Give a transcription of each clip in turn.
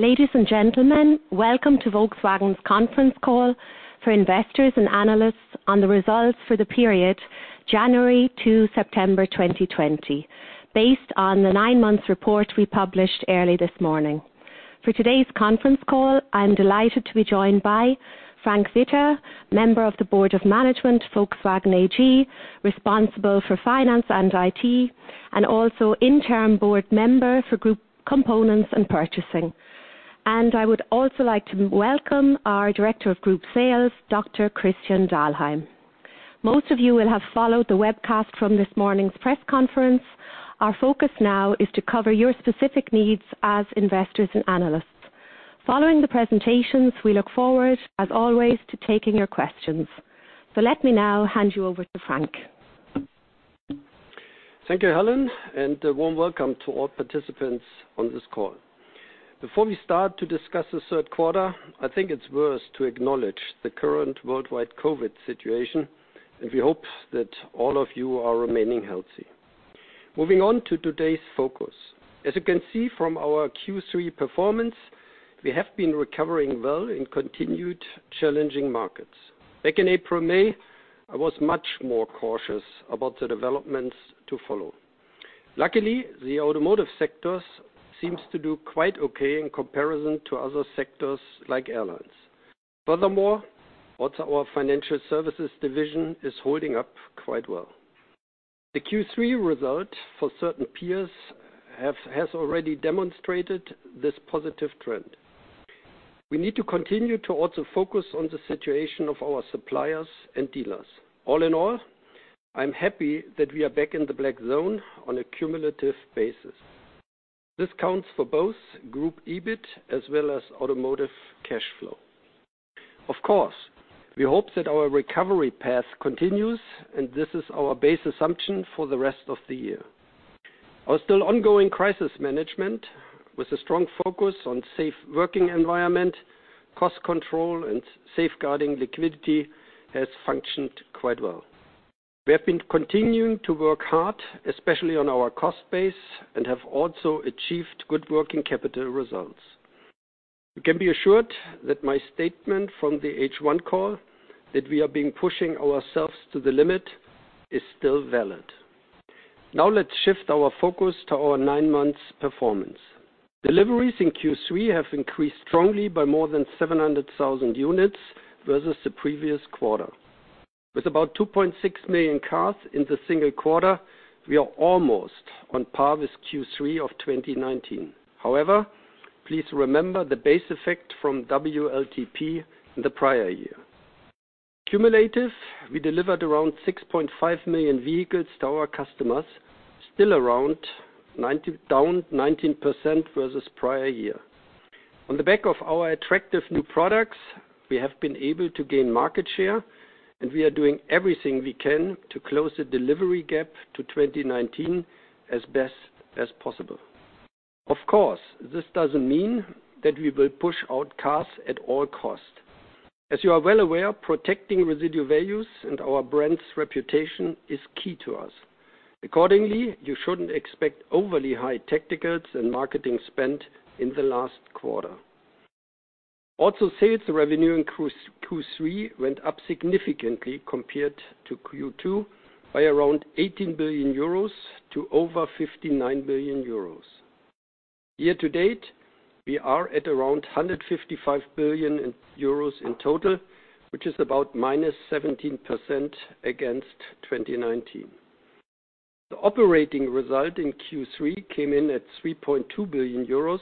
Ladies and gentlemen, welcome to Volkswagen's conference call for investors and analysts on the results for the period January to September 2020. Based on the nine-month report we published early this morning. For today's conference call, I am delighted to be joined by Frank Witter, Member of the Board of Management, Volkswagen AG, responsible for finance and IT, and also interim board member for group components and purchasing. I would also like to welcome our Director of Group Sales, Dr. Christian Dahlheim. Most of you will have followed the webcast from this morning's press conference. Our focus now is to cover your specific needs as investors and analysts. Following the presentations, we look forward, as always, to taking your questions. Let me now hand you over to Frank. Thank you, Helen, and a warm welcome to all participants on this call. Before we start to discuss the third quarter, I think it's worth to acknowledge the current worldwide COVID-19 situation. We hope that all of you are remaining healthy. Moving on to today's focus. As you can see from our Q3 performance, we have been recovering well in continued challenging markets. Back in April, May, I was much more cautious about the developments to follow. Luckily, the automotive sector seems to do quite okay in comparison to other sectors like airlines. Furthermore, also our Financial Services division is holding up quite well. The Q3 result for certain peers has already demonstrated this positive trend. We need to continue to also focus on the situation of our suppliers and dealers. All in all, I'm happy that we are back in the black zone on a cumulative basis. This counts for both Group EBIT as well as automotive cash flow. Of course, we hope that our recovery path continues, and this is our base assumption for the rest of the year. Our still ongoing crisis management, with a strong focus on safe working environment, cost control, and safeguarding liquidity, has functioned quite well. We have been continuing to work hard, especially on our cost base, and have also achieved good working capital results. You can be assured that my statement from the H1 call that we are being pushing ourselves to the limit is still valid. Now let's shift our focus to our nine-month performance. Deliveries in Q3 have increased strongly by more than 700,000 units versus the previous quarter. With about 2.6 million cars in the single quarter, we are almost on par with Q3 of 2019. However, please remember the base effect from WLTP in the prior year. Cumulative, we delivered around 6.5 million vehicles to our customers, still around down 19% versus prior year. On the back of our attractive new products, we have been able to gain market share, and we are doing everything we can to close the delivery gap to 2019 as best as possible. Of course, this doesn't mean that we will push out cars at all cost. As you are well aware, protecting residual values and our brand's reputation is key to us. Accordingly, you shouldn't expect overly high tacticals and marketing spend in the last quarter. Sales revenue in Q3 went up significantly compared to Q2 by around 18 billion euros to over 59 billion euros. Year to date, we are at around 155 billion euros in total, which is about minus 17% against 2019. The operating result in Q3 came in at 3.2 billion euros,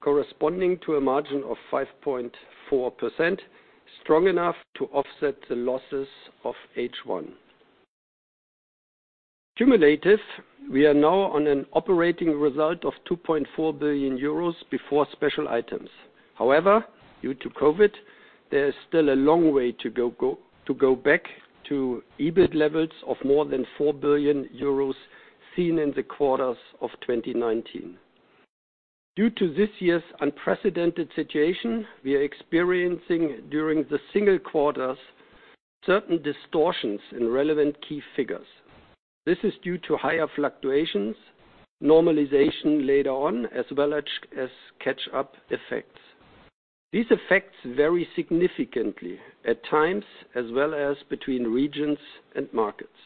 corresponding to a margin of 5.4%, strong enough to offset the losses of H1. Cumulative, we are now on an operating result of 2.4 billion euros before special items. Due to COVID, there is still a long way to go back to EBIT levels of more than 4 billion euros seen in the quarters of 2019. Due to this year's unprecedented situation, we are experiencing during the single quarters, certain distortions in relevant key figures. This is due to higher fluctuations, normalization later on, as well as catch-up effects. These effects vary significantly at times as well as between regions and markets.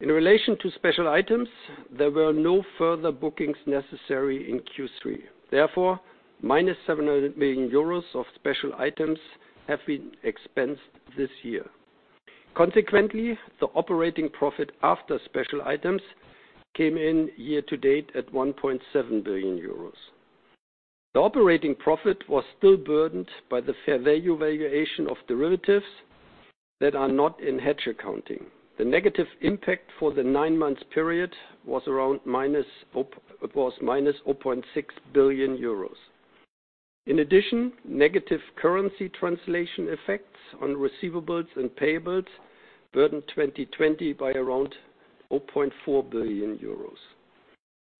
In relation to special items, there were no further bookings necessary in Q3. Minus 700 million euros of special items have been expensed this year. Consequently, the operating profit after special items came in year to date at 1.7 billion euros. The operating profit was still burdened by the fair value valuation of derivatives that are not in hedge accounting. The negative impact for the nine-month period was minus 0.6 billion euros. In addition, negative currency translation effects on receivables and payables burdened 2020 by around 0.4 billion euros.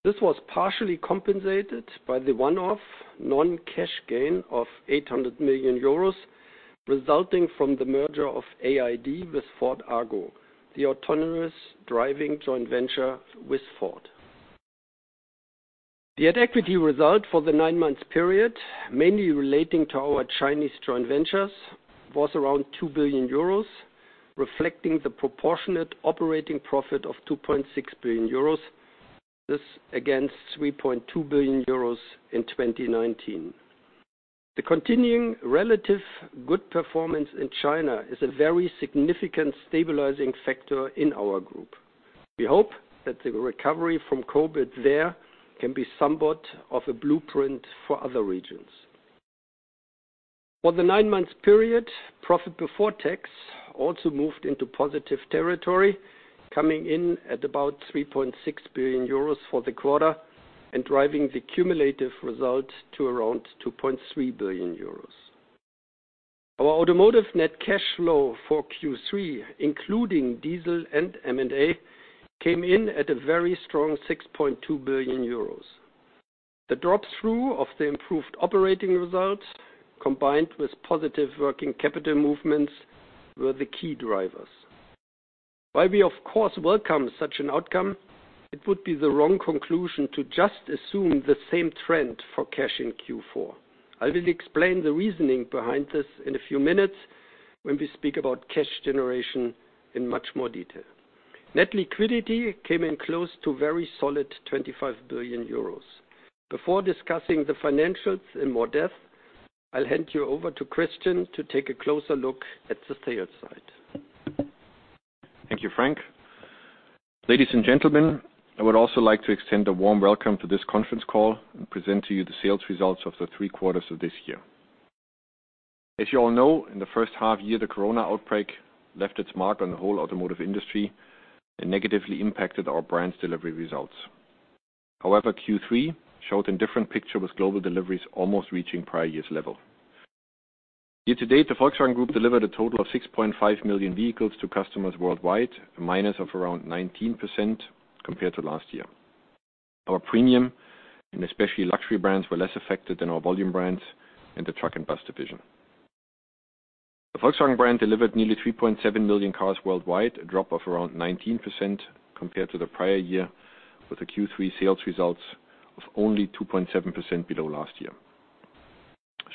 This was partially compensated by the one-off non-cash gain of 800 million euros resulting from the merger of AID with Ford Argo, the autonomous driving joint venture with Ford. The net equity result for the nine-month period, mainly relating to our Chinese joint ventures, was around 2 billion euros, reflecting the proportionate operating profit of 2.6 billion euros. This against 3.2 billion euros in 2019. The continuing relative good performance in China is a very significant stabilizing factor in our group. We hope that the recovery from COVID-19 there can be somewhat of a blueprint for other regions. For the nine months period, profit before tax also moved into positive territory, coming in at about 3.6 billion euros for the quarter and driving the cumulative result to around 2.3 billion euros. Our automotive net cash flow for Q3, including diesel and M&A, came in at a very strong 6.2 billion euros. The drop-through of the improved operating results combined with positive working capital movements were the key drivers. While we, of course, welcome such an outcome, it would be the wrong conclusion to just assume the same trend for cash in Q4. I will explain the reasoning behind this in a few minutes when we speak about cash generation in much more detail. Net liquidity came in close to a very solid 25 billion euros. Before discussing the financials in more depth, I'll hand you over to Christian to take a closer look at the sales side. Thank you, Frank. Ladies and gentlemen, I would also like to extend a warm welcome to this conference call and present to you the sales results of the three quarters of this year. As you all know, in the first half year, the corona outbreak left its mark on the whole automotive industry and negatively impacted our brands delivery results. Q3 showed a different picture with global deliveries almost reaching prior year's level. Year to date, the Volkswagen Group delivered a total of 6.5 million vehicles to customers worldwide, a minus of around 19% compared to last year. Our premium and especially luxury brands were less affected than our volume brands and the truck and bus division. The Volkswagen brand delivered nearly 3.7 million cars worldwide, a drop of around 19% compared to the prior year with the Q3 sales results of only 2.7% below last year.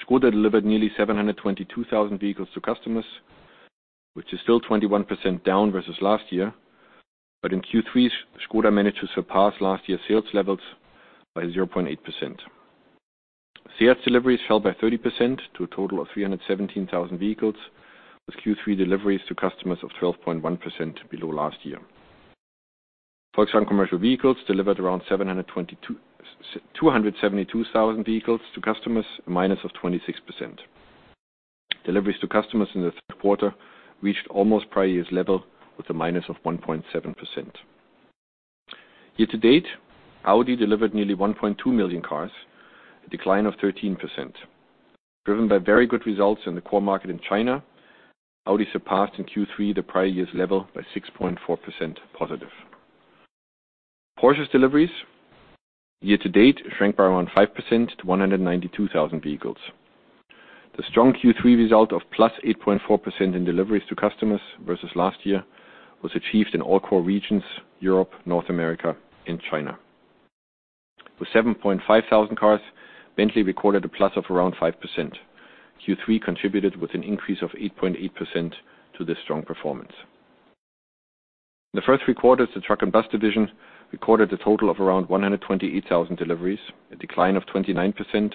Škoda delivered nearly 722,000 vehicles to customers, which is still 21% down versus last year. In Q3, Škoda managed to surpass last year's sales levels by 0.8%. SEAT deliveries fell by 30% to a total of 317,000 vehicles, with Q3 deliveries to customers of 12.1% below last year. Volkswagen Commercial Vehicles delivered around 272,000 vehicles to customers, a minus of 26%. Deliveries to customers in the third quarter reached almost prior year's level with a minus of 1.7%. Year to date, Audi delivered nearly 1.2 million cars, a decline of 13%. Driven by very good results in the core market in China, Audi surpassed in Q3 the prior year's level by 6.4% positive. Porsche's deliveries year to date shrank by around 5% to 192,000 vehicles. The strong Q3 result of +8.4% in deliveries to customers versus last year was achieved in all core regions, Europe, North America, and China. With 7,500 cars, Bentley recorded a +5%. Q3 contributed with a +8.8% to this strong performance. In the first three quarters, the truck and bus division recorded a total of around 128,000 deliveries, a -29%,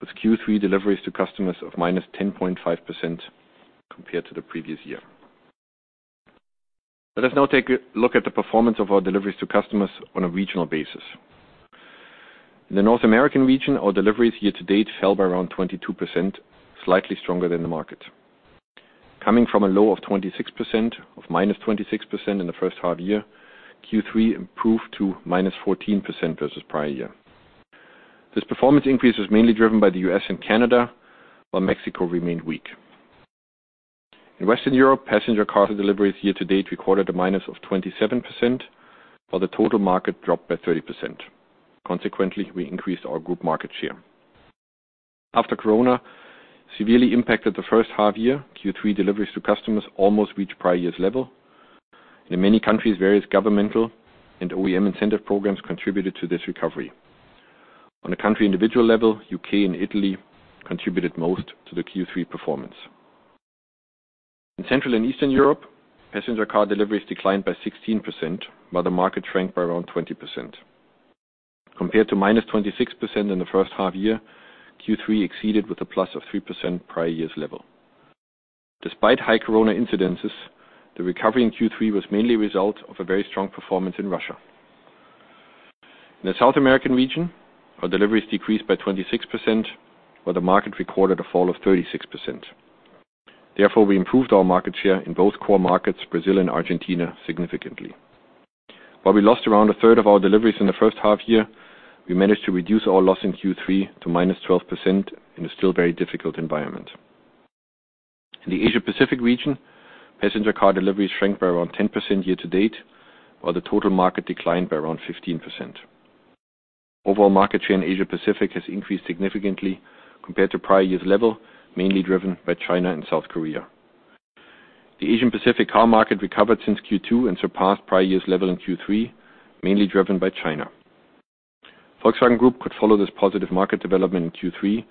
with Q3 deliveries to customers of -10.5% compared to the previous year. Let us now take a look at the performance of our deliveries to customers on a regional basis. In the North American region, our deliveries year to date fell by around -22%, slightly stronger than the market. Coming from a low of -26% in the first half year, Q3 improved to -14% versus prior year. This performance increase was mainly driven by the U.S. and Canada, while Mexico remained weak. In Western Europe, passenger car deliveries year to date recorded a minus of 27%, while the total market dropped by 30%. We increased our group market share. After COVID-19 severely impacted the first half year, Q3 deliveries to customers almost reached prior year's level. In many countries, various governmental and OEM incentive programs contributed to this recovery. On a country individual level, U.K. and Italy contributed most to the Q3 performance. In Central and Eastern Europe, passenger car deliveries declined by 16%, while the market shrank by around 20%. Compared to minus 26% in the first half year, Q3 exceeded with a plus of 3% prior year's level. Despite high COVID-19 incidences, the recovery in Q3 was mainly a result of a very strong performance in Russia. In the South American region, our deliveries decreased by 26%, while the market recorded a fall of 36%. We improved our market share in both core markets, Brazil and Argentina, significantly. While we lost around a third of our deliveries in the first half year, we managed to reduce our loss in Q3 to minus 12% in a still very difficult environment. In the Asia Pacific region, passenger car deliveries shrank by around 10% year to date, while the total market declined by around 15%. Overall market share in Asia Pacific has increased significantly compared to prior year's level, mainly driven by China and South Korea. The Asia Pacific car market recovered since Q2 and surpassed prior year's level in Q3, mainly driven by China. Volkswagen Group could follow this positive market development in Q3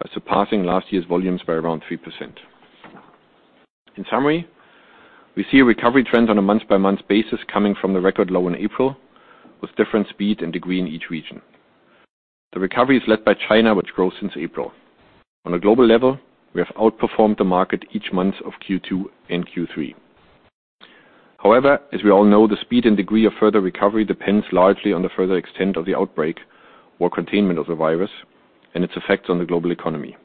by surpassing last year's volumes by around 3%. In summary, we see a recovery trend on a month-by-month basis coming from the record low in April, with different speed and degree in each region. The recovery is led by China, which grows since April. On a global level, we have outperformed the market each month of Q2 and Q3. However, as we all know, the speed and degree of further recovery depends largely on the further extent of the outbreak or containment of the virus and its effects on the global economy.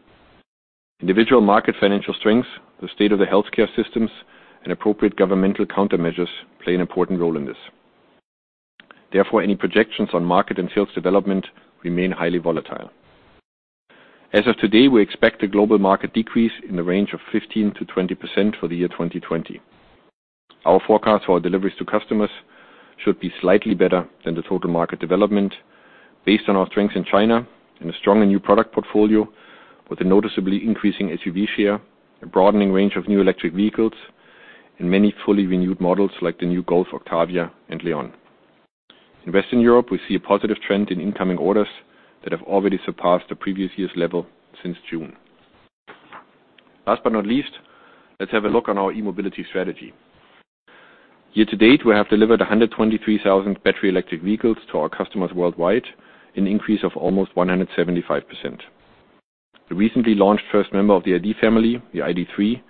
Individual market financial strengths, the state of the healthcare systems, and appropriate governmental countermeasures play an important role in this. Therefore, any projections on market and sales development remain highly volatile. As of today, we expect a global market decrease in the range of 15%-20% for the year 2020. Our forecast for deliveries to customers should be slightly better than the total market development based on our strengths in China and a strong and new product portfolio with a noticeably increasing SUV share, a broadening range of new electric vehicles, and many fully renewed models like the new Golf, Octavia, and Leon. In Western Europe, we see a positive trend in incoming orders that have already surpassed the previous year's level since June. Last but not least, let's have a look on our e-mobility strategy. Year to date, we have delivered 123,000 battery electric vehicles to our customers worldwide, an increase of almost 175%. The recently launched first member of the ID family, the ID.3,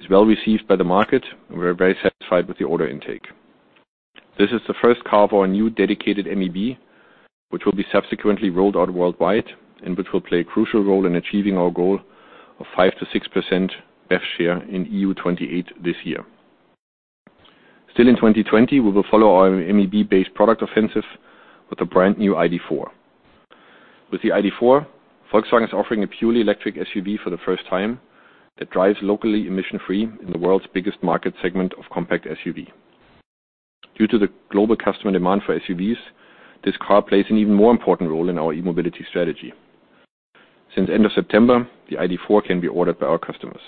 is well received by the market, and we are very satisfied with the order intake. This is the first car for a new dedicated MEB, which will be subsequently rolled out worldwide and which will play a crucial role in achieving our goal of 5%-6% BEV share in EU 28 this year. Still in 2020, we will follow our MEB-based product offensive with a brand new ID.4. With the ID.4, Volkswagen is offering a purely electric SUV for the first time that drives locally emission-free in the world's biggest market segment of compact SUV. Due to the global customer demand for SUVs, this car plays an even more important role in our e-mobility strategy. Since end of September, the ID.4 can be ordered by our customers.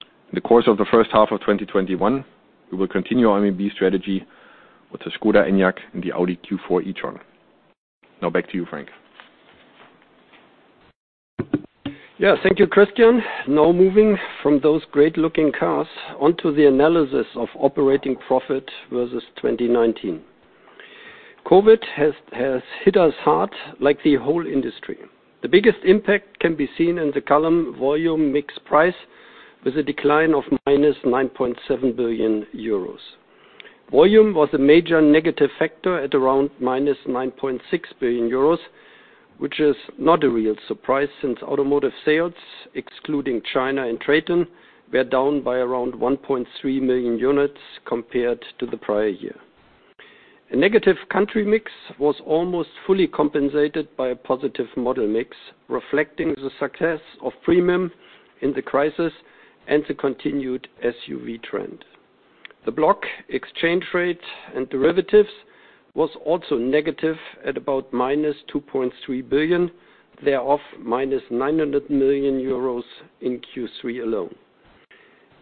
In the course of the first half of 2021, we will continue our MEB strategy with the Skoda Enyaq and the Audi Q4 e-tron. Now back to you, Frank. Yeah. Thank you, Christian. Now moving from those great-looking cars onto the analysis of operating profit versus 2019. COVID has hit us hard like the whole industry. The biggest impact can be seen in the column volume mix price, with a decline of minus 9.7 billion euros. Volume was a major negative factor at around minus 9.6 billion euros, which is not a real surprise since automotive sales, excluding China and TRATON, were down by around 1.3 million units compared to the prior year. A negative country mix was almost fully compensated by a positive model mix, reflecting the success of premium in the crisis and the continued SUV trend. The block exchange rate and derivatives was also negative at about minus 2.3 billion, thereof minus 900 million euros in Q3 alone.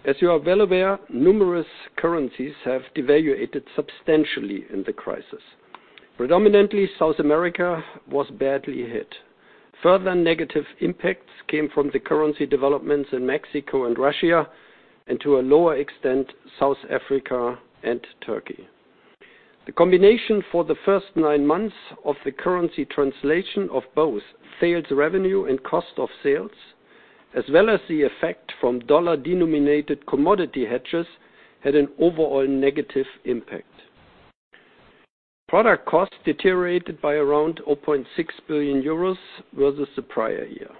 As you are well aware, numerous currencies have devaluated substantially in the crisis. Predominantly, South America was badly hit. Further negative impacts came from the currency developments in Mexico and Russia, and to a lower extent, South Africa and Turkey. The combination for the first nine months of the currency translation of both sales revenue and cost of sales, as well as the effect from dollar-denominated commodity hedges, had an overall negative impact. Product costs deteriorated by around 0.6 billion euros versus the prior year.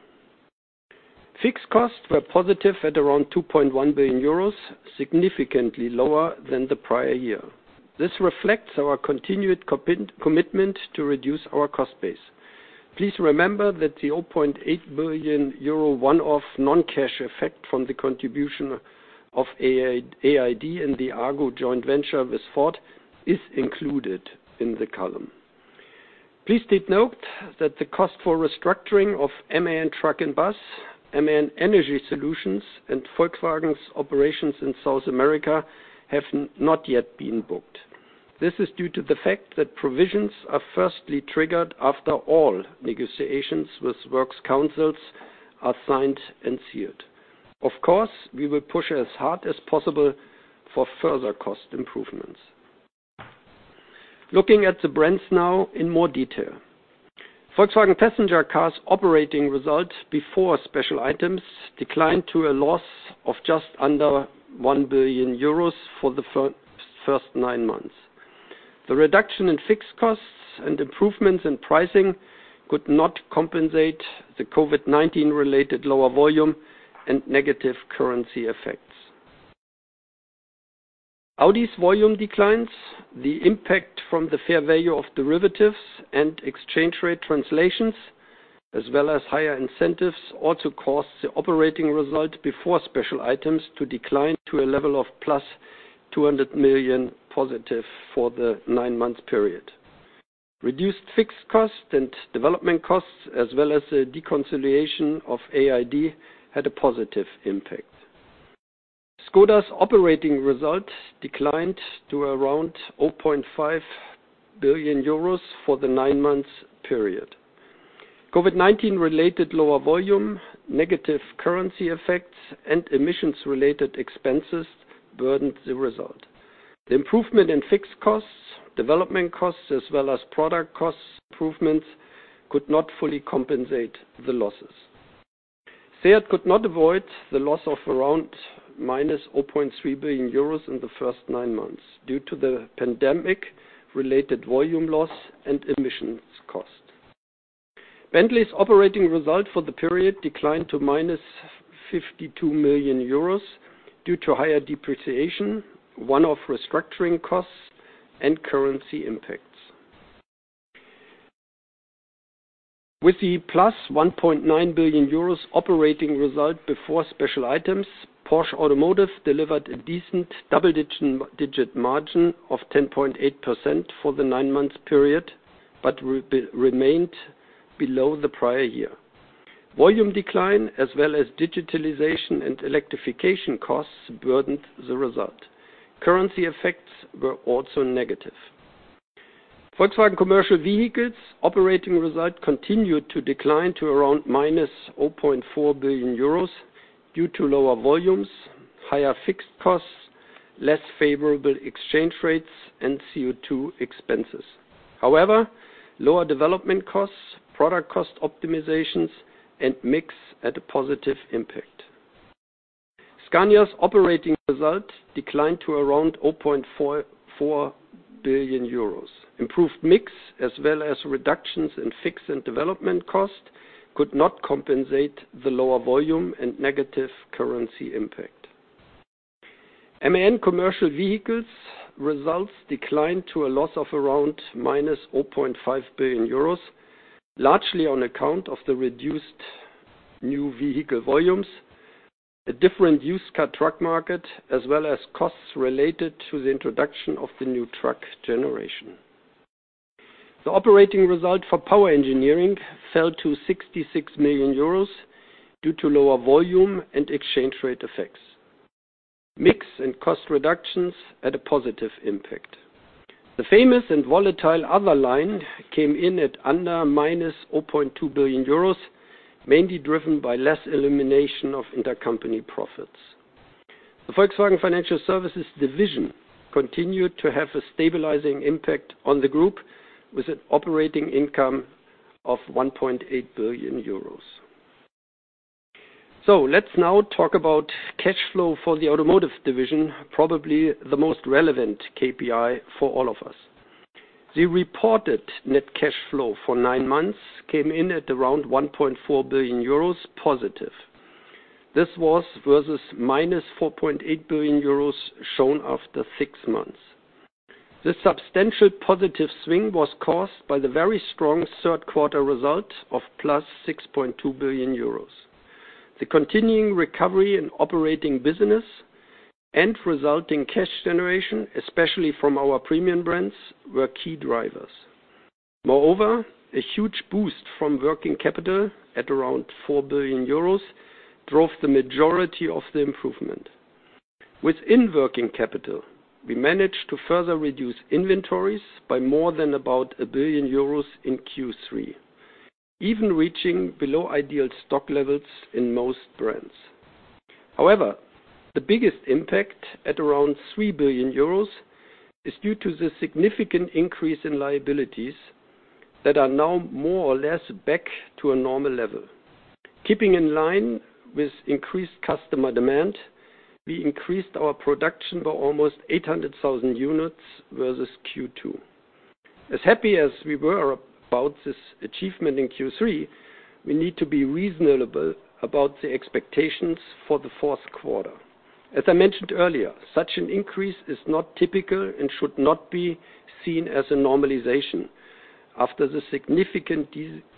Fixed costs were positive at around 2.1 billion euros, significantly lower than the prior year. This reflects our continued commitment to reduce our cost base. Please remember that the 0.8 billion euro one-off non-cash effect from the contribution of AID and the Argo joint venture with Ford is included in the column. Please did note that the cost for restructuring of MAN Truck & Bus, MAN Energy Solutions, and Volkswagen's operations in South America have not yet been booked. This is due to the fact that provisions are firstly triggered after all negotiations with works councils are signed and sealed. Of course, we will push as hard as possible for further cost improvements. Looking at the brands now in more detail. Volkswagen passenger cars operating results before special items declined to a loss of just under 1 billion euros for the first nine months. The reduction in fixed costs and improvements in pricing could not compensate the COVID-19 related lower volume and negative currency effects. Audi's volume declines, the impact from the fair value of derivatives and exchange rate translations. As well as higher incentives also caused the operating result before special items to decline to a level of plus 200 million positive for the nine-month period. Reduced fixed cost and development costs, as well as the deconsolidation of AID, had a positive impact. Škoda's operating result declined to around 0.5 billion euros for the nine-month period. COVID-19 related lower volume, negative currency effects, and emissions-related expenses burdened the result. The improvement in fixed costs, development costs, as well as product costs improvements could not fully compensate the losses. SEAT could not avoid the loss of around minus 0.3 billion euros in the first nine months due to the pandemic related volume loss and emissions cost. Bentley's operating result for the period declined to minus 52 million euros due to higher depreciation, one-off restructuring costs, and currency impacts. With the plus 1.9 billion euros operating result before special items, Porsche Automotive delivered a decent double-digit margin of 10.8% for the nine-month period, but remained below the prior year. Volume decline as well as digitalization and electrification costs burdened the result. Currency effects were also negative. Volkswagen Commercial Vehicles operating result continued to decline to around minus €0.4 billion due to lower volumes, higher fixed costs, less favorable exchange rates, and CO2 expenses. However, lower development costs, product cost optimizations, and mix at a positive impact. Scania's operating result declined to around €0.44 billion. Improved mix as well as reductions in fixed and development cost could not compensate the lower volume and negative currency impact. MAN commercial vehicles results declined to a loss of around minus €0.5 billion, largely on account of the reduced new vehicle volumes, a different used car truck market, as well as costs related to the introduction of the new truck generation. The operating result for Power Engineering fell to €66 million due to lower volume and exchange rate effects. Mix and cost reductions at a positive impact. The famous and volatile other line came in at under minus 0.2 billion euros, mainly driven by less elimination of intercompany profits. The Volkswagen Financial Services division continued to have a stabilizing impact on the group with an operating income of 1.8 billion euros. Let's now talk about cash flow for the Automotive division, probably the most relevant KPI for all of us. The reported net cash flow for nine months came in at around 1.4 billion euros positive. This was versus minus 4.8 billion euros shown after six months. This substantial positive swing was caused by the very strong third quarter results of plus 6.2 billion euros. The continuing recovery in operating business and resulting cash generation, especially from our premium brands, were key drivers. Moreover, a huge boost from working capital at around 4 billion euros drove the majority of the improvement. Within working capital, we managed to further reduce inventories by more than about 1 billion euros in Q3, even reaching below ideal stock levels in most brands. The biggest impact at around 3 billion euros is due to the significant increase in liabilities that are now more or less back to a normal level. Keeping in line with increased customer demand, we increased our production by almost 800,000 units versus Q2. As happy as we were about this achievement in Q3, we need to be reasonable about the expectations for the fourth quarter. As I mentioned earlier, such an increase is not typical and should not be seen as a normalization after the significant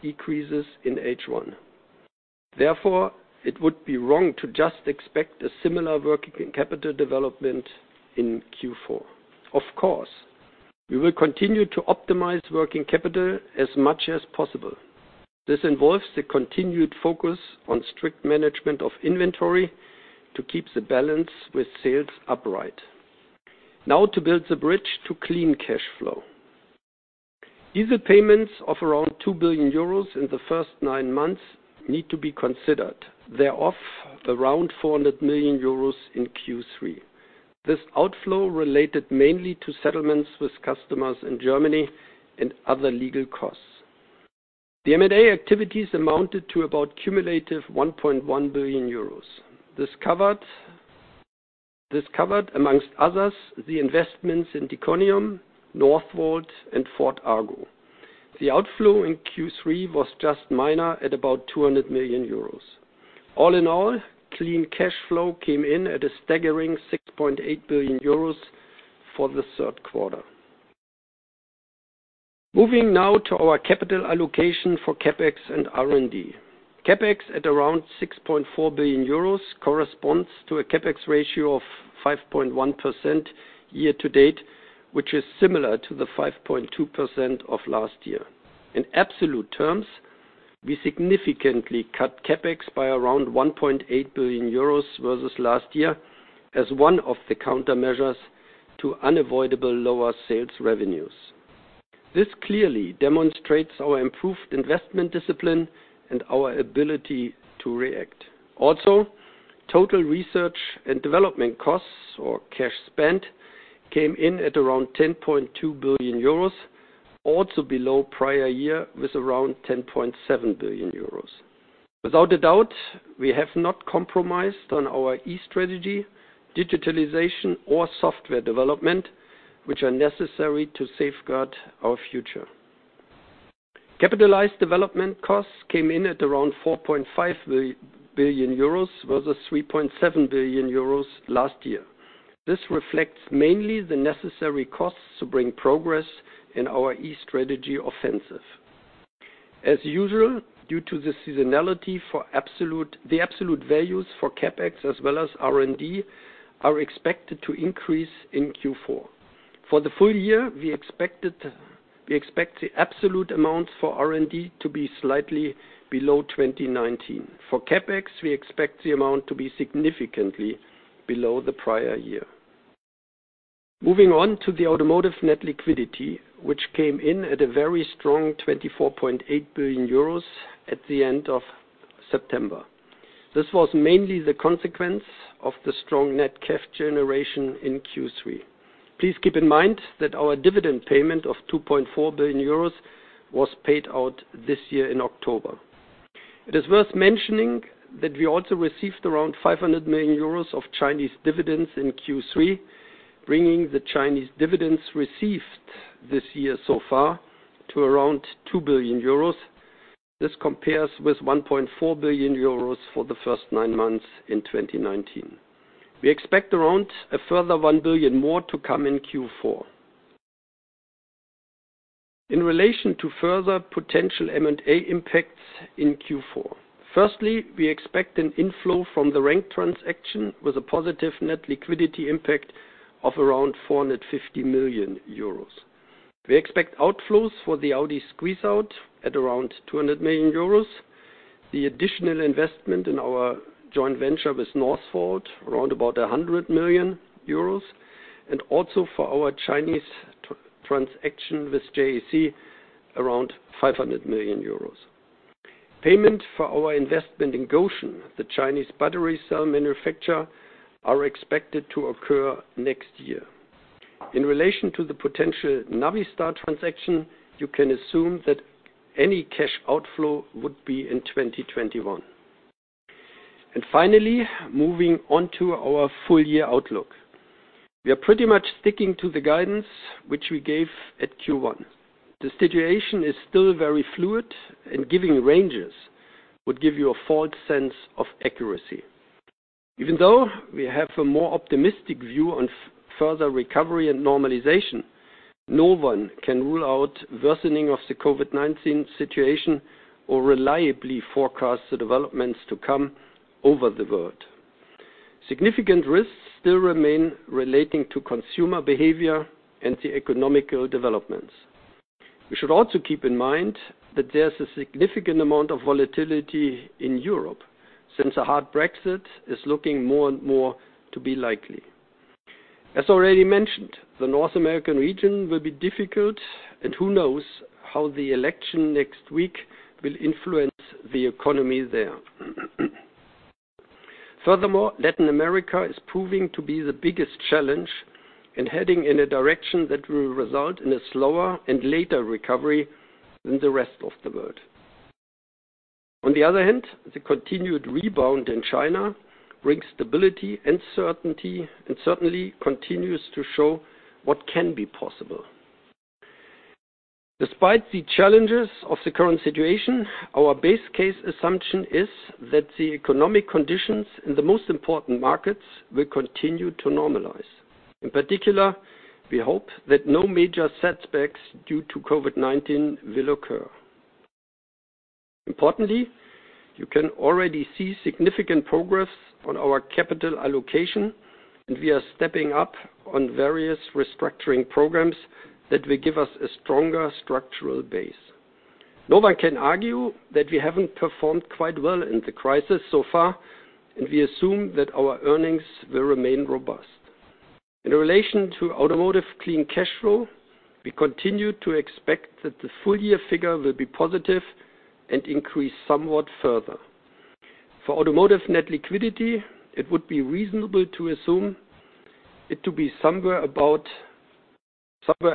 decreases in H1. It would be wrong to just expect a similar working capital development in Q4. We will continue to optimize working capital as much as possible. This involves the continued focus on strict management of inventory to keep the balance with sales upright. To build the bridge to clean cash flow. Diesel payments of around €2 billion in the first nine months need to be considered. They're off around €400 million in Q3. This outflow related mainly to settlements with customers in Germany and other legal costs. M&A activities amounted to about cumulative €1.1 billion. This covered amongst others, the investments in diconium, Northvolt, and Argo AI. Outflow in Q3 was just minor at about €200 million. All in all, clean cash flow came in at a staggering €6.8 billion for the third quarter. Moving now to our capital allocation for CapEx and R&D. CapEx at around €6.4 billion corresponds to a CapEx ratio of 5.1% year-to-date, which is similar to the 5.2% of last year. In absolute terms, we significantly cut CapEx by around 1.8 billion euros versus last year, as one of the countermeasures to unavoidable lower sales revenues. Total research and development costs or cash spent came in at around 10.2 billion euros, also below prior year with around 10.7 billion euros. Without a doubt, we have not compromised on our E-Strategy, digitalization or software development, which are necessary to safeguard our future. Capitalized development costs came in at around 4.5 billion euros versus 3.7 billion euros last year. This reflects mainly the necessary costs to bring progress in our E-Strategy offensive. As usual, due to the seasonality, the absolute values for CapEx as well as R&D are expected to increase in Q4. For the full year, we expect the absolute amounts for R&D to be slightly below 2019. For CapEx, we expect the amount to be significantly below the prior year. Moving on to the automotive net liquidity, which came in at a very strong 24.8 billion euros at the end of September. This was mainly the consequence of the strong net cash generation in Q3. Please keep in mind that our dividend payment of 2.4 billion euros was paid out this year in October. It is worth mentioning that we also received around 500 million euros of Chinese dividends in Q3, bringing the Chinese dividends received this year so far to around 2 billion euros. This compares with 1.4 billion euros for the first nine months in 2019. We expect around a further 1 billion more to come in Q4. In relation to further potential M&A impacts in Q4, firstly, we expect an inflow from the RENK transaction with a positive net liquidity impact of around 450 million euros. We expect outflows for the Audi squeeze-out at around 200 million euros. The additional investment in our joint venture with Northvolt, around about 100 million euros, and also for our Chinese transaction with JAC, around 500 million euros. Payment for our investment in Gotion, the Chinese battery cell manufacturer, are expected to occur next year. In relation to the potential Navistar transaction, you can assume that any cash outflow would be in 2021. Finally, moving on to our full year outlook. We are pretty much sticking to the guidance which we gave at Q1. The situation is still very fluid, and giving ranges would give you a false sense of accuracy. Even though we have a more optimistic view on further recovery and normalization, no one can rule out worsening of the COVID-19 situation or reliably forecast the developments to come over the world. Significant risks still remain relating to consumer behavior and the economic developments. We should also keep in mind that there's a significant amount of volatility in Europe since a hard Brexit is looking more and more to be likely. As already mentioned, the North American region will be difficult and who knows how the election next week will influence the economy there. Furthermore, Latin America is proving to be the biggest challenge and heading in a direction that will result in a slower and later recovery than the rest of the world. On the other hand, the continued rebound in China brings stability and certainty, and certainly continues to show what can be possible. Despite the challenges of the current situation, our base case assumption is that the economic conditions in the most important markets will continue to normalize. In particular, we hope that no major setbacks due to COVID-19 will occur. Importantly, you can already see significant progress on our capital allocation, and we are stepping up on various restructuring programs that will give us a stronger structural base. No one can argue that we haven't performed quite well in the crisis so far, and we assume that our earnings will remain robust. In relation to automotive clean cash flow, we continue to expect that the full-year figure will be positive and increase somewhat further. For automotive net liquidity, it would be reasonable to assume it to be somewhere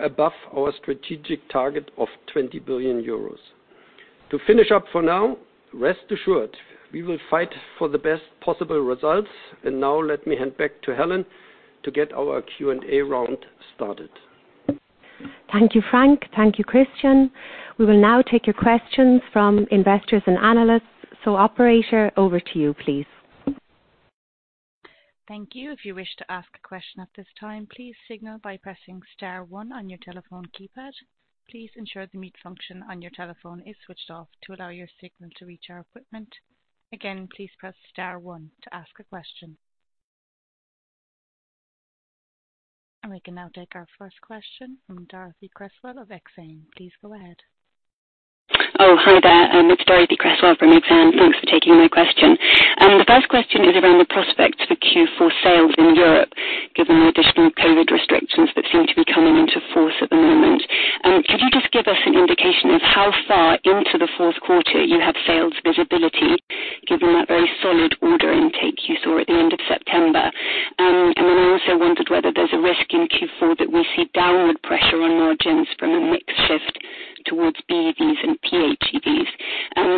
above our strategic target of €20 billion. To finish up for now, rest assured we will fight for the best possible results. Now let me hand back to Helen to get our Q&A round started. Thank you, Frank. Thank you, Christian. We will now take your questions from investors and analysts. Operator, over to you, please. Thank you. We can now take our first question from Dorothee Cresswell of Exane. Please go ahead. Oh, hi there. It's Dorothee Cresswell from Exane. Thanks for taking my question. The first question is around the prospects for Q4 sales in Europe, given the additional COVID restrictions that seem to be coming into force at the moment. Could you just give us an indication of how far into the fourth quarter you have sales visibility, given that very solid order intake you saw at the end of September? Then I also wondered whether there's a risk in Q4 that we see downward pressure on margins from a mix shift towards BEVs and PHEVs.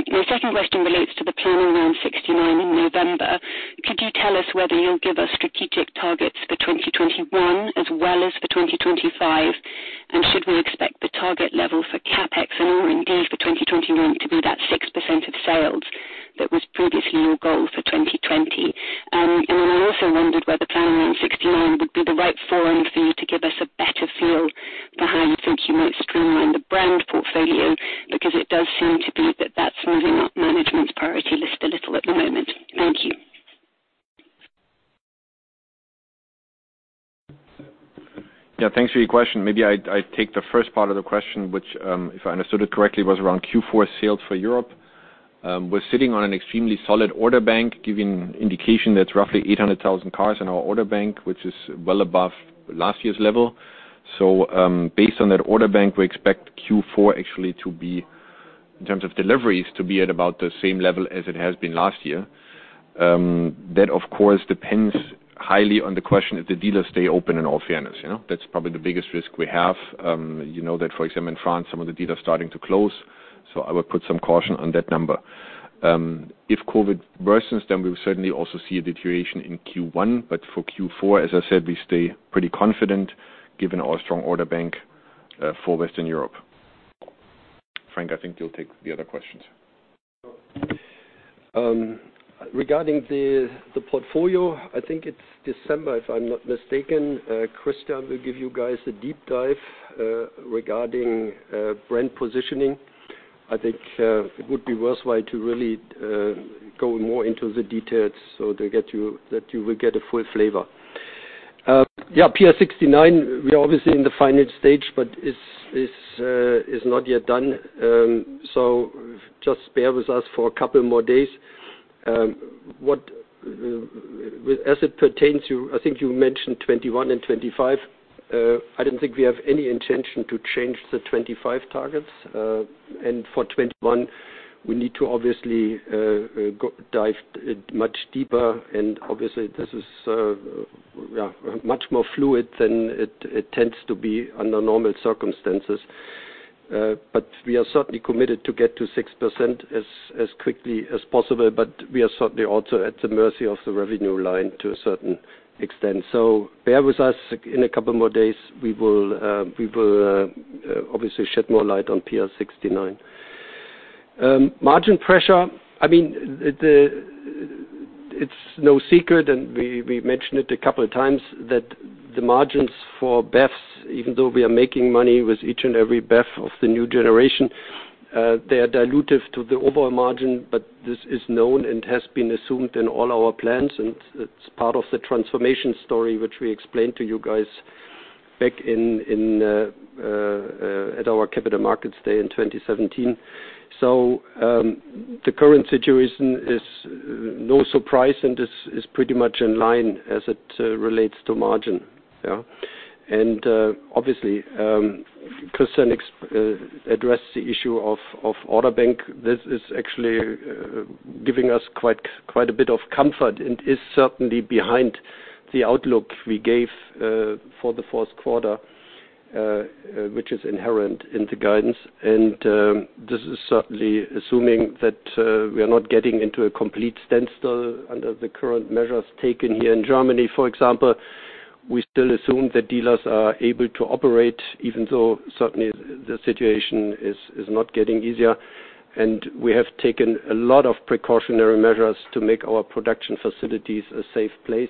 My second question relates to the planning around PR69 in November. Could you tell us whether you'll give us strategic targets for 2021 as well as for 2025? Should we expect the target level for CapEx and R&D for 2021 to be that 6% of sales that was previously your goal for 2020? Then I also wondered whether planning around PR69 would be the right forum for you to give us a better feel for how you think you might streamline the brand portfolio, because it does seem to be that that's moving up management's priority list a little at the moment. Thank you. Yeah, thanks for your question. Maybe I take the first part of the question, which, if I understood it correctly, was around Q4 sales for Europe. We are sitting on an extremely solid order bank, giving indication that roughly 800,000 cars in our order bank, which is well above last year's level. Based on that order bank, we expect Q4 actually to be, in terms of deliveries, to be at about the same level as it has been last year. That of course depends highly on the question if the dealers stay open, in all fairness. That is probably the biggest risk we have. You know that, for example, in France, some of the dealers are starting to close. I would put some caution on that number. If COVID worsens, we will certainly also see a deterioration in Q1. For Q4, as I said, we stay pretty confident given our strong order bank for Western Europe. Frank, I think you'll take the other questions. Regarding the portfolio, I think it's December, if I'm not mistaken, Christian will give you guys a deep dive regarding brand positioning. I think it would be worthwhile to really go more into the details so that you will get a full flavor. Yeah, PL69, we are obviously in the final stage, but it's not yet done. Just bear with us for a couple more days. As it pertains to, I think you mentioned 2021 and 2025. I don't think we have any intention to change the 2025 targets. For 2021, we need to obviously dive much deeper and obviously this is much more fluid than it tends to be under normal circumstances. We are certainly committed to get to 6% as quickly as possible. We are certainly also at the mercy of the revenue line to a certain extent. Bear with us. In a couple more days, we will obviously shed more light on PL69. Margin pressure. It's no secret, and we mentioned it a couple of times, that the margins for BEVs, even though we are making money with each and every BEV of the new generation, they are dilutive to the overall margin. This is known and has been assumed in all our plans, and it's part of the transformation story which we explained to you guys back at our Capital Markets Day in 2017. The current situation is no surprise and is pretty much in line as it relates to margin. Obviously, Christian addressed the issue of order bank. This is actually giving us quite a bit of comfort and is certainly behind the outlook we gave for the fourth quarter, which is inherent in the guidance. This is certainly assuming that we are not getting into a complete standstill under the current measures taken here in Germany, for example. We still assume that dealers are able to operate, even though certainly the situation is not getting easier. We have taken a lot of precautionary measures to make our production facilities a safe place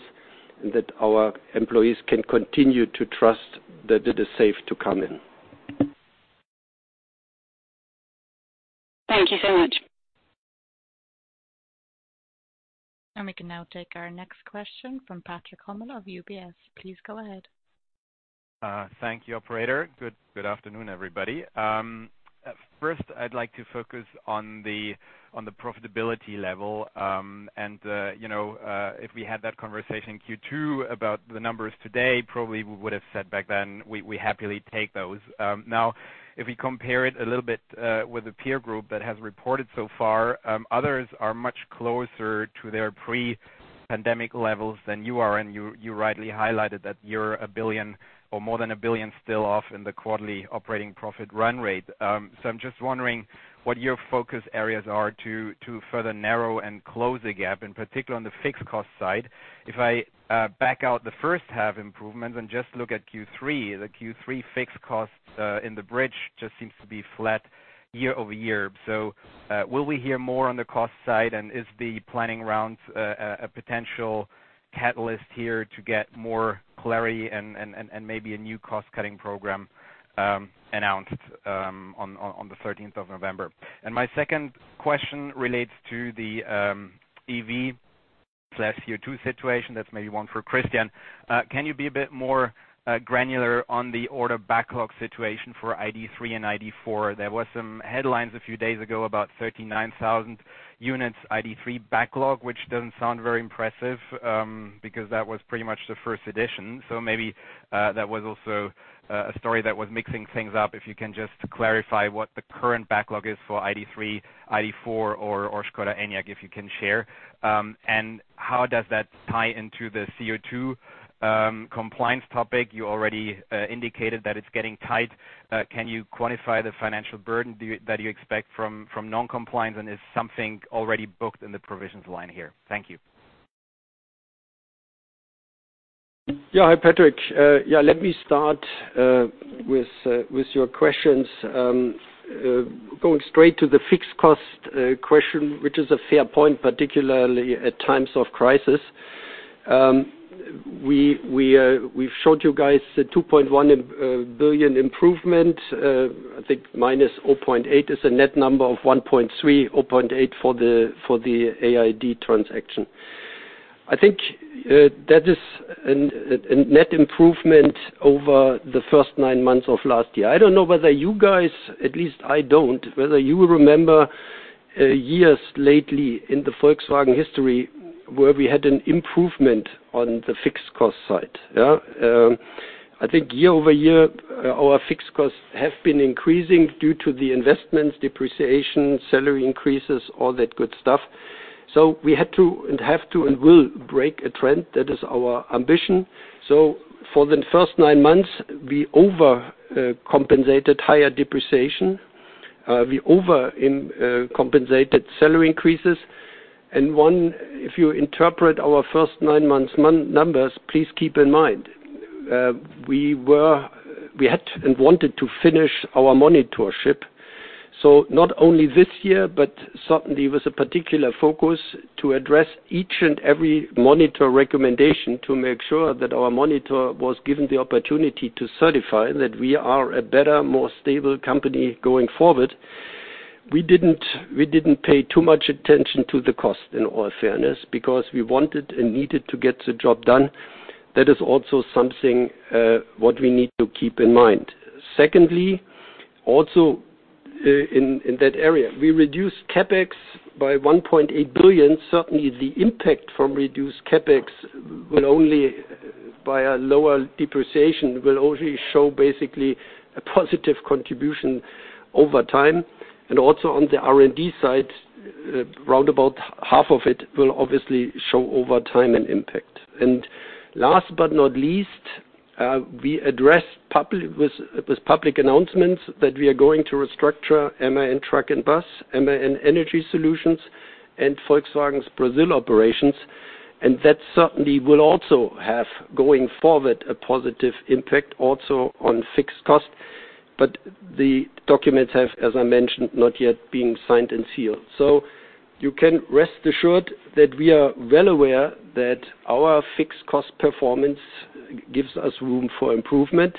and that our employees can continue to trust that it is safe to come in. Thank you so much. We can now take our next question from Patrick Hummel of UBS. Please go ahead. Thank you, operator. Good afternoon, everybody. First, I'd like to focus on the profitability level. If we had that conversation in Q2 about the numbers today, probably we would have said back then we happily take those. If we compare it a little bit with the peer group that has reported so far, others are much closer to their pre-pandemic levels than you are, and you rightly highlighted that you're 1 billion or more than 1 billion still off in the quarterly operating profit run rate. I'm just wondering what your focus areas are to further narrow and close the gap, in particular on the fixed cost side. If I back out the first half improvements and just look at Q3, the Q3 fixed costs in the bridge just seems to be flat year-over-year. Will we hear more on the cost side? Is the planning rounds a potential catalyst here to get more clarity and maybe a new cost-cutting program announced on the 13th of November? My second question relates to the EVPlus CO2 situation, that's maybe one for Christian. Can you be a bit more granular on the order backlog situation for ID.3 and ID.4? There were some headlines a few days ago about 39,000 units ID.3 backlog, which doesn't sound very impressive, because that was pretty much the first edition. Maybe that was also a story that was mixing things up. If you can just clarify what the current backlog is for ID.3, ID.4 or Škoda Enyaq, if you can share. How does that tie into the CO2 compliance topic? You already indicated that it's getting tight. Can you quantify the financial burden that you expect from non-compliance? Is something already booked in the provisions line here? Thank you. Yeah. Hi, Patrick. Let me start with your questions. Going straight to the fixed cost question, which is a fair point, particularly at times of crisis. We've showed you guys the 2.1 billion improvement. I think minus 0.8 is a net number of 1.3, 0.8 for the AID transaction. I think that is a net improvement over the first nine months of last year. I don't know whether you guys, at least I don't, whether you remember years lately in the Volkswagen history where we had an improvement on the fixed cost side. Yeah. I think year-over-year, our fixed costs have been increasing due to the investments, depreciation, salary increases, all that good stuff. We had to and have to and will break a trend. That is our ambition. For the first nine months, we overcompensated higher depreciation. We overcompensated salary increases. One, if you interpret our first nine months numbers, please keep in mind, we had and wanted to finish our Monitorship. Not only this year, but certainly it was a particular focus to address each and every Monitor recommendation to make sure that our Monitor was given the opportunity to certify that we are a better, more stable company going forward. We didn't pay too much attention to the cost, in all fairness, because we wanted and needed to get the job done. That is also something what we need to keep in mind. Secondly, also in that area, we reduced CapEx by 1.8 billion. Certainly, the impact from reduced CapEx by a lower depreciation, will only show basically a positive contribution over time. Also on the R&D side, roundabout half of it will obviously show over time an impact. Last but not least, we addressed with public announcements that we are going to restructure MAN Truck & Bus, MAN Energy Solutions, and Volkswagen's Brazil operations. That certainly will also have, going forward, a positive impact also on fixed cost. The documents have, as I mentioned, not yet been signed and sealed. You can rest assured that we are well aware that our fixed cost performance gives us room for improvement,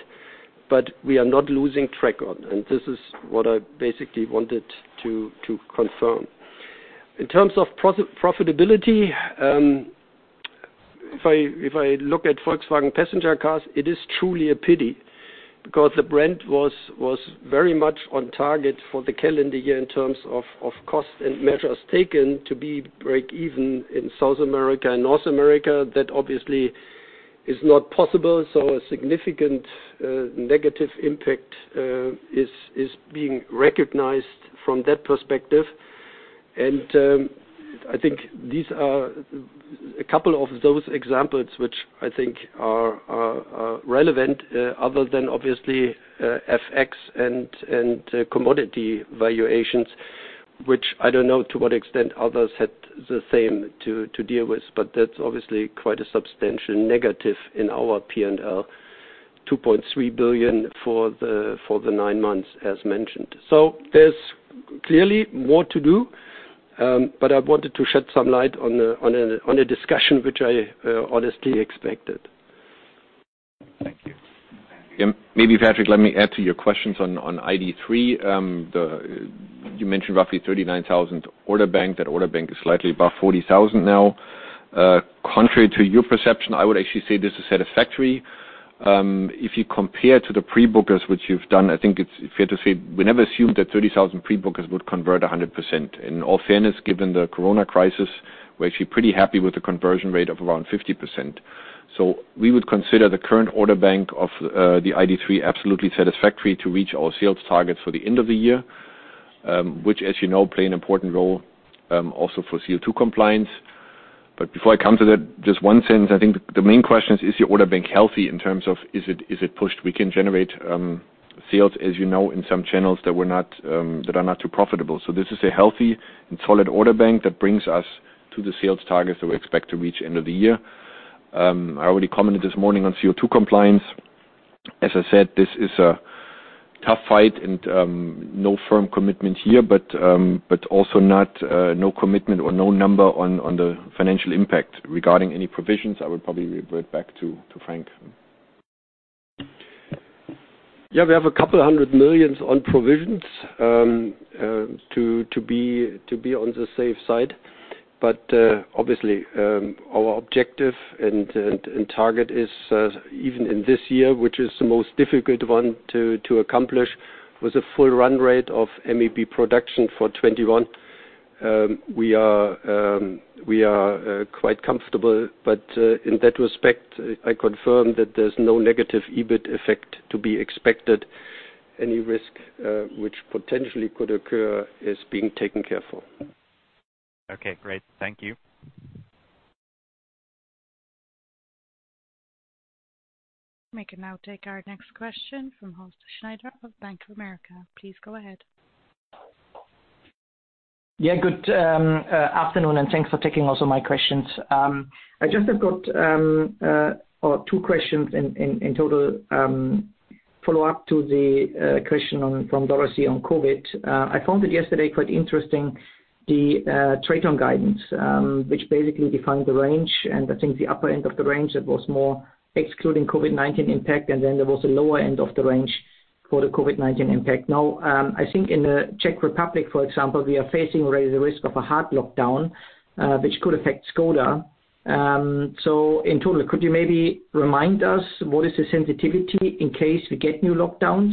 but we are not losing track of. This is what I basically wanted to confirm. In terms of profitability, if I look at Volkswagen passenger cars, it is truly a pity because the brand was very much on target for the calendar year in terms of cost and measures taken to be break-even in South America and North America. That obviously is not possible, so a significant negative impact is being recognized from that perspective. I think these are a couple of those examples which I think are relevant other than obviously FX and commodity valuations, which I don't know to what extent others had the same to deal with. That's obviously quite a substantial negative in our P&L, 2.3 billion for the nine months as mentioned. There's clearly more to do, but I wanted to shed some light on a discussion which I honestly expected. Thank you. Maybe, Patrick, let me add to your questions on ID.3. You mentioned roughly 39,000 order bank. That order bank is slightly above 40,000 now. Contrary to your perception, I would actually say this is satisfactory. If you compare to the pre-bookers, which you've done, I think it's fair to say we never assumed that 30,000 pre-bookers would convert 100%. In all fairness, given the Corona crisis, we're actually pretty happy with the conversion rate of around 50%. We would consider the current order bank of the ID.3 absolutely satisfactory to reach our sales targets for the end of the year, which, as you know, play an important role also for CO2 compliance. Before I come to that, just one sentence. I think the main question is your order bank healthy in terms of is it pushed? We can generate sales, as you know, in some channels that are not too profitable. This is a healthy and solid order bank that brings us to the sales targets that we expect to reach end of the year. I already commented this morning on CO2 compliance. As I said, this is a tough fight and no firm commitment here, but also no commitment or no number on the financial impact. Regarding any provisions, I would probably revert back to Frank. Yeah, we have a couple hundred millions on provisions to be on the safe side. Obviously, our objective and target is even in this year, which is the most difficult one to accomplish, with a full run rate of MEB production for 2021. We are quite comfortable. In that respect, I confirm that there's no negative EBIT effect to be expected. Any risk which potentially could occur is being taken care for. Okay, great. Thank you. We can now take our next question from Horst Schneider of Bank of America. Please go ahead. Good afternoon, and thanks for taking also my questions. I just have got two questions in total. Follow-up to the question from Dorothee on COVID-19. I found it yesterday quite interesting the TRATON guidance, which basically defined the range, and I think the upper end of the range that was more excluding COVID-19 impact, and then there was a lower end of the range for the COVID-19 impact. I think in the Czech Republic, for example, we are facing already the risk of a hard lockdown, which could affect Škoda. In total, could you maybe remind us what is the sensitivity in case we get new lockdowns?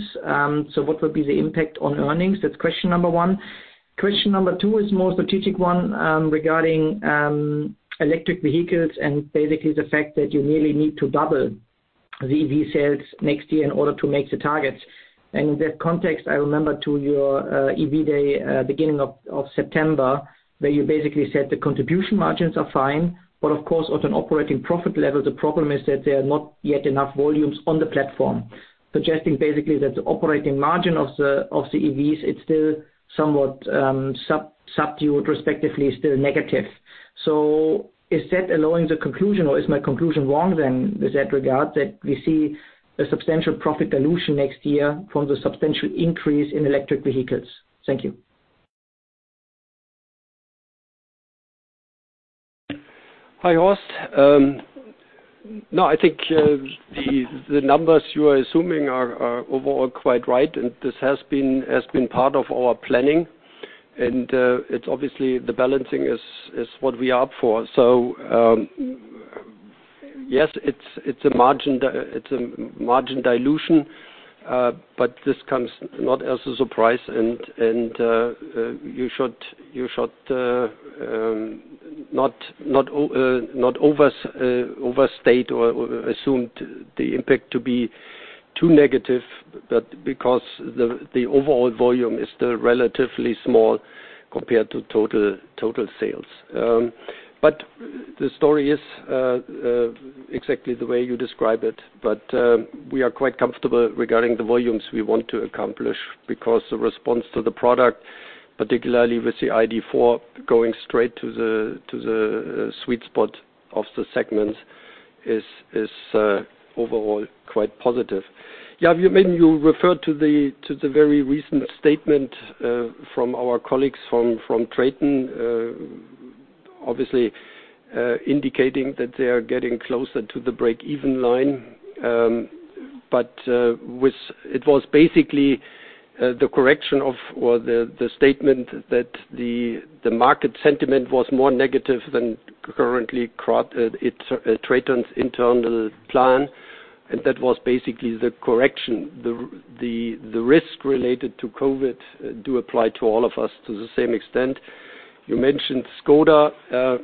What would be the impact on earnings? That's question number one. Question number two is more strategic one regarding electric vehicles, basically the fact that you nearly need to double the EV sales next year in order to make the targets. In that context, I remember to your EV Day beginning of September, where you basically said the contribution margins are fine, but of course, at an operating profit level, the problem is that there are not yet enough volumes on the platform. Suggesting basically that the operating margin of the EVs, it's still somewhat subdued, respectively still negative. Is that allowing the conclusion, or is my conclusion wrong with that regard, that we see a substantial profit dilution next year from the substantial increase in electric vehicles? Thank you. Hi, Horst. No, I think the numbers you are assuming are overall quite right. This has been part of our planning. It's obviously the balancing is what we opt for. Yes, it's a margin dilution. This comes not as a surprise. You should not overstate or assume the impact to be too negative because the overall volume is still relatively small compared to total sales. The story is exactly the way you describe it. We are quite comfortable regarding the volumes we want to accomplish because the response to the product, particularly with the ID.4 going straight to the sweet spot of the segment, is overall quite positive. Maybe you refer to the very recent statement from our colleagues from TRATON, obviously indicating that they are getting closer to the break-even line. It was basically the correction of the statement that the market sentiment was more negative than currently TRATON's internal plan, and that was basically the correction. The risk related to COVID do apply to all of us to the same extent. You mentioned Škoda.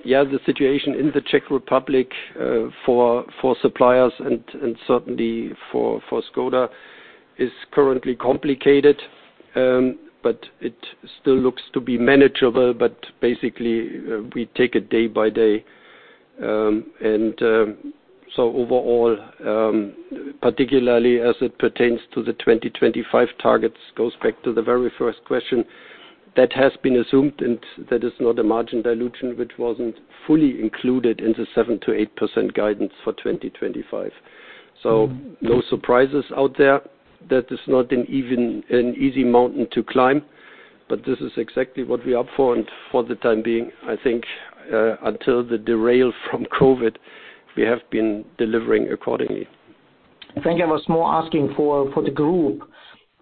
Yeah, the situation in the Czech Republic for suppliers and certainly for Škoda is currently complicated. It still looks to be manageable. Basically, we take it day by day. Overall, particularly as it pertains to the 2025 targets, goes back to the very first question, that has been assumed, and that is not a margin dilution, which wasn't fully included in the 7%-8% guidance for 2025. No surprises out there. That is not an easy mountain to climb, but this is exactly what we opt for. For the time being, I think until the derail from COVID, we have been delivering accordingly. I think I was more asking for the group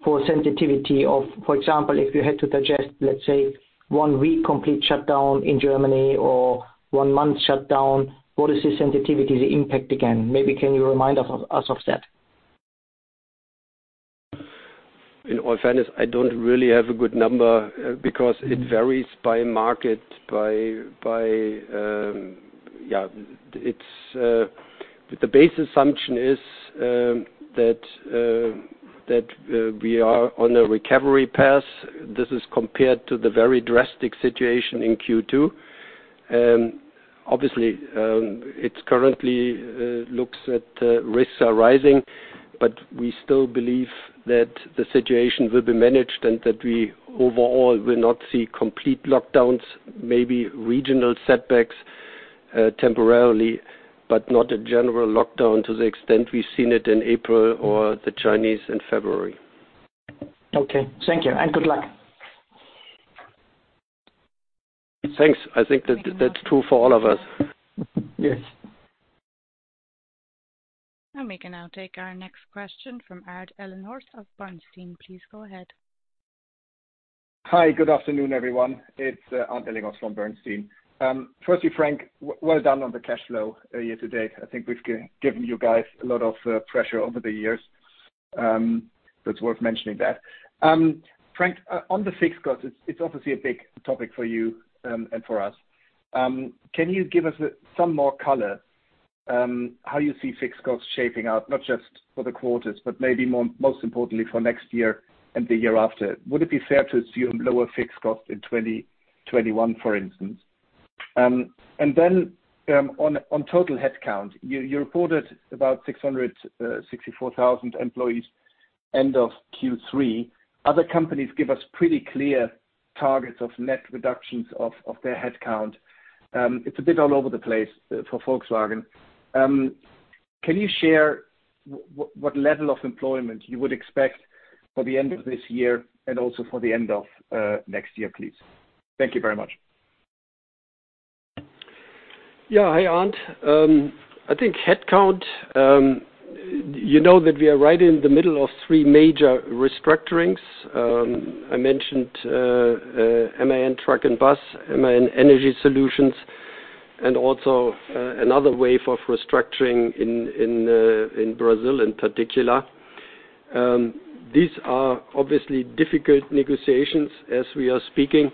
for sensitivity of, for example, if you had to digest, let's say, one week complete shutdown in Germany or one month shutdown, what is the sensitivity, the impact again? Maybe can you remind us of that? In all fairness, I don't really have a good number because it varies by market. The base assumption is that we are on a recovery path. This is compared to the very drastic situation in Q2. Obviously, it currently looks that risks are rising, but we still believe that the situation will be managed and that we overall will not see complete lockdowns, maybe regional setbacks temporarily, but not a general lockdown to the extent we've seen it in April or the Chinese in February. Okay. Thank you, and good luck. Thanks. I think that's true for all of us. Yes. We can now take our next question from Arndt Ellinghorst of Bernstein. Please go ahead. Hi, good afternoon, everyone. It's Arndt Ellinghorst from Bernstein. Firstly, Frank, well done on the cash flow year to date. I think we've given you guys a lot of pressure over the years. It's worth mentioning that. Frank, on the fixed costs, it's obviously a big topic for you and for us. Can you give us some more color how you see fixed costs shaping out, not just for the quarters, but maybe most importantly for next year and the year after. Would it be fair to assume lower fixed costs in 2021, for instance? On total headcount, you reported about 664,000 employees end of Q3. Other companies give us pretty clear targets of net reductions of their headcount. It's a bit all over the place for Volkswagen. Can you share what level of employment you would expect for the end of this year and also for the end of next year, please? Thank you very much. Yeah. Hi, Arndt. I think headcount, you know that we are right in the middle of three major restructurings. I mentioned MAN Truck & Bus, MAN Energy Solutions, and also another wave of restructuring in Brazil in particular. These are obviously difficult negotiations as we are speaking,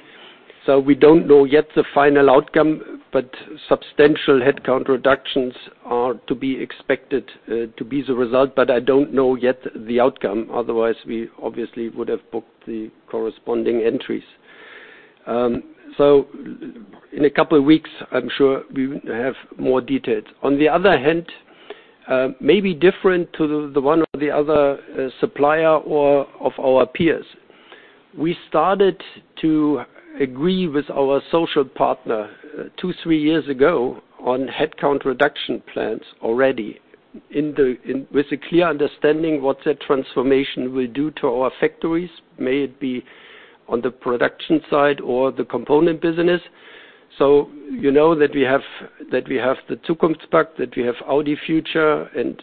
so we don't know yet the final outcome, but substantial headcount reductions are to be expected to be the result. I don't know yet the outcome. Otherwise, we obviously would have booked the corresponding entries. In a couple of weeks, I'm sure we will have more details. On the other hand, maybe different to the one or the other supplier or of our peers, we started to agree with our social partner two, three years ago on headcount reduction plans already with a clear understanding what that transformation will do to our factories, may it be on the production side or the component business. You know that we have the Zukunftspakt, that we have Audi Future and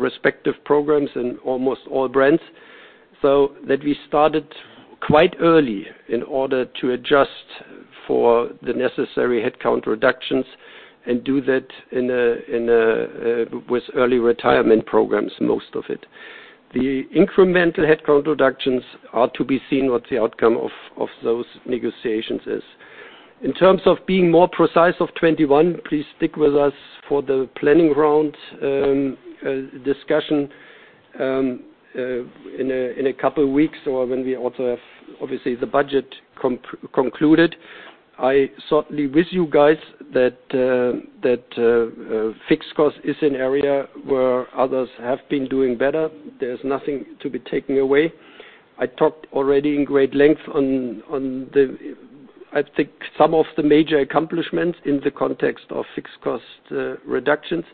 respective programs in almost all brands. that we started quite early in order to adjust for the necessary headcount reductions and do that with early retirement programs, most of it. The incremental headcount reductions are to be seen what the outcome of those negotiations is. In terms of being more precise of 2021, please stick with us for the planning round discussion in a couple of weeks or when we also have, obviously, the budget concluded. I certainly with you guys that fixed cost is an area where others have been doing better. There's nothing to be taken away. I talked already in great length on, I think, some of the major accomplishments in the context of fixed cost reductions.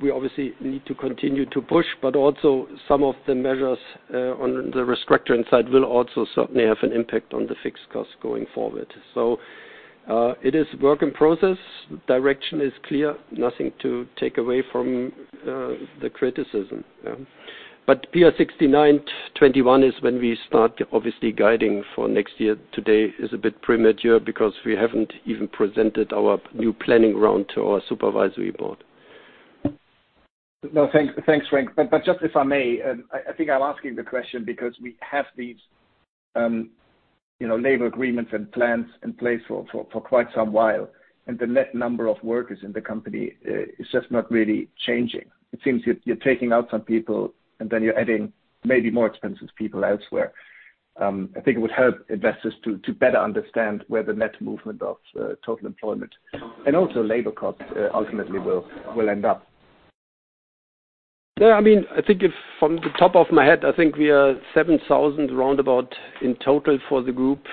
We obviously need to continue to push, but also some of the measures on the restructuring side will also certainly have an impact on the fixed cost going forward. It is work in progress. Direction is clear. Nothing to take away from the criticism. PR69 2021 is when we start, obviously, guiding for next year. Today is a bit premature because we haven't even presented our new planning round to our supervisory board. No, thanks, Frank. Just if I may, I think I'm asking the question because we have these labor agreements and plans in place for quite some while, and the net number of workers in the company is just not really changing. It seems you're taking out some people and then you're adding maybe more expensive people elsewhere. I think it would help investors to better understand where the net movement of total employment and also labor costs ultimately will end up. I think from the top of my head, I think we are 7,000 roundabout in total for the Group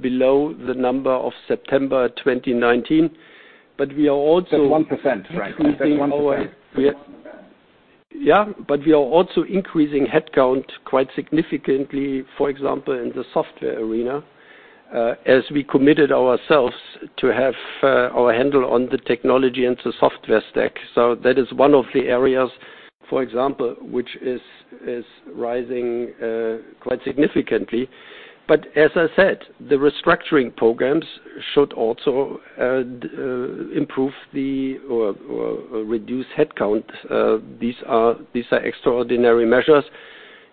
below the number of September 2019. That's 1%, right? That's 1%. We are also increasing headcount quite significantly, for example, in the software arena, as we committed ourselves to have our handle on the technology and the software stack. That is one of the areas, for example, which is rising quite significantly. As I said, the restructuring programs should also improve the reduced headcount. These are extraordinary measures.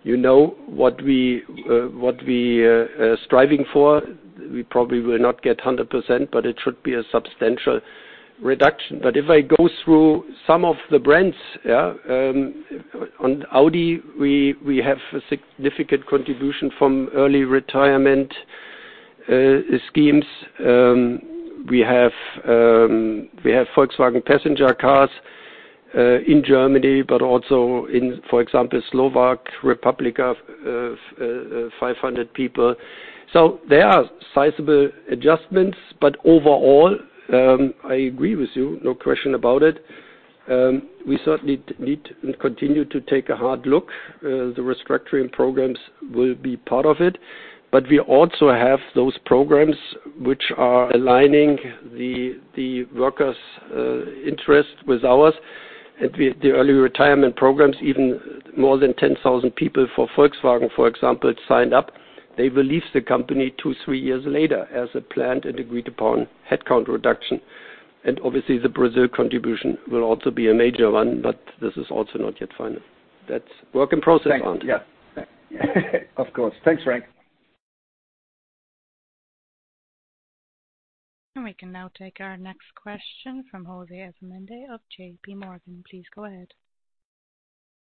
You know what we striving for. We probably will not get 100%, it should be a substantial reduction. If I go through some of the brands, on Audi, we have a significant contribution from early retirement schemes. We have Volkswagen passenger cars in Germany, also in, for example, Slovak Republic, 500 people. There are sizable adjustments. Overall, I agree with you, no question about it. We certainly need to continue to take a hard look. The restructuring programs will be part of it, but we also have those programs which are aligning the workers' interest with ours and the early retirement programs, even more than 10,000 people for Volkswagen, for example, signed up. They will leave the company two, three years later as a planned and agreed-upon headcount reduction. Obviously, the Brazil contribution will also be a major one, but this is also not yet final. That's work in process, Arndt. Thanks. Yeah. Of course. Thanks, Frank. We can now take our next question from José Asumendi of JPMorgan. Please go ahead.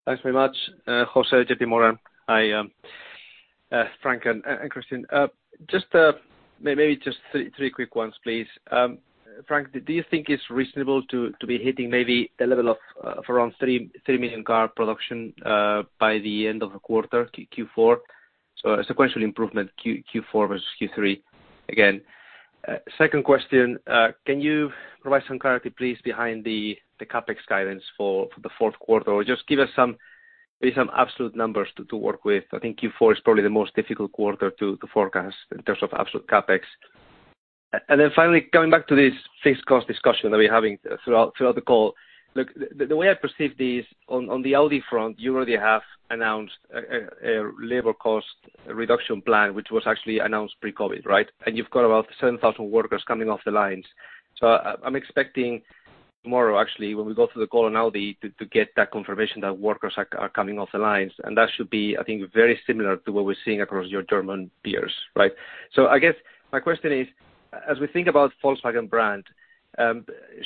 Thanks very much. José, JPMorgan. Hi, Frank and Christian. Maybe just three quick ones, please. Frank, do you think it's reasonable to be hitting maybe the level of around three million car production by the end of the quarter, Q4? A sequential improvement Q4 versus Q3 again. Second question, can you provide some clarity, please, behind the CapEx guidance for the fourth quarter? Just give us maybe some absolute numbers to work with. I think Q4 is probably the most difficult quarter to forecast in terms of absolute CapEx. Finally, coming back to this fixed cost discussion that we're having throughout the call. Look, the way I perceive this, on the Audi front, you already have announced a labor cost reduction plan, which was actually announced pre-COVID, right? You've got about 7,000 workers coming off the lines. I'm expecting tomorrow, actually, when we go through the call on Audi, to get that confirmation that workers are coming off the lines, and that should be, I think, very similar to what we're seeing across your German peers, right? I guess my question is, as we think about Volkswagen brand,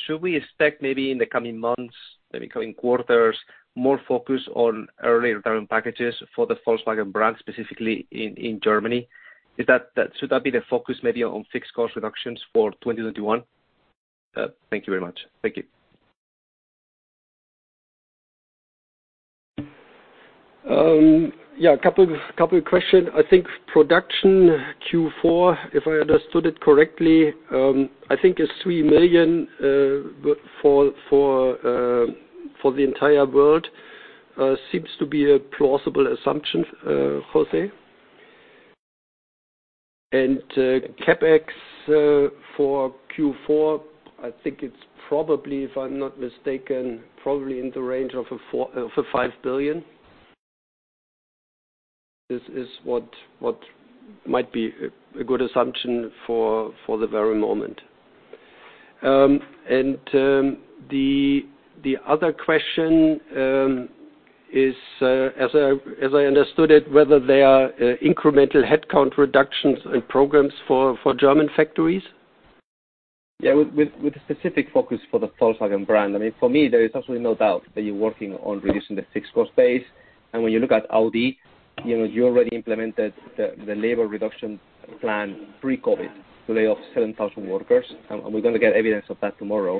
should we expect maybe in the coming months, maybe coming quarters, more focus on early retirement packages for the Volkswagen brand, specifically in Germany? Should that be the focus maybe on fixed cost reductions for 2021? Thank you very much. Thank you. Yeah, a couple of question. I think production Q4, if I understood it correctly, I think is three million for the entire world. Seems to be a plausible assumption, José. CapEx for Q4, I think it's probably, if I'm not mistaken, probably in the range of 5 billion. This is what might be a good assumption for the very moment. The other question is, as I understood it, whether there are incremental headcount reductions and programs for German factories. Yeah, with a specific focus for the Volkswagen brand. For me, there is absolutely no doubt that you're working on reducing the fixed cost base. When you look at Audi, you already implemented the labor reduction plan pre-COVID to lay off 7,000 workers. We're going to get evidence of that tomorrow.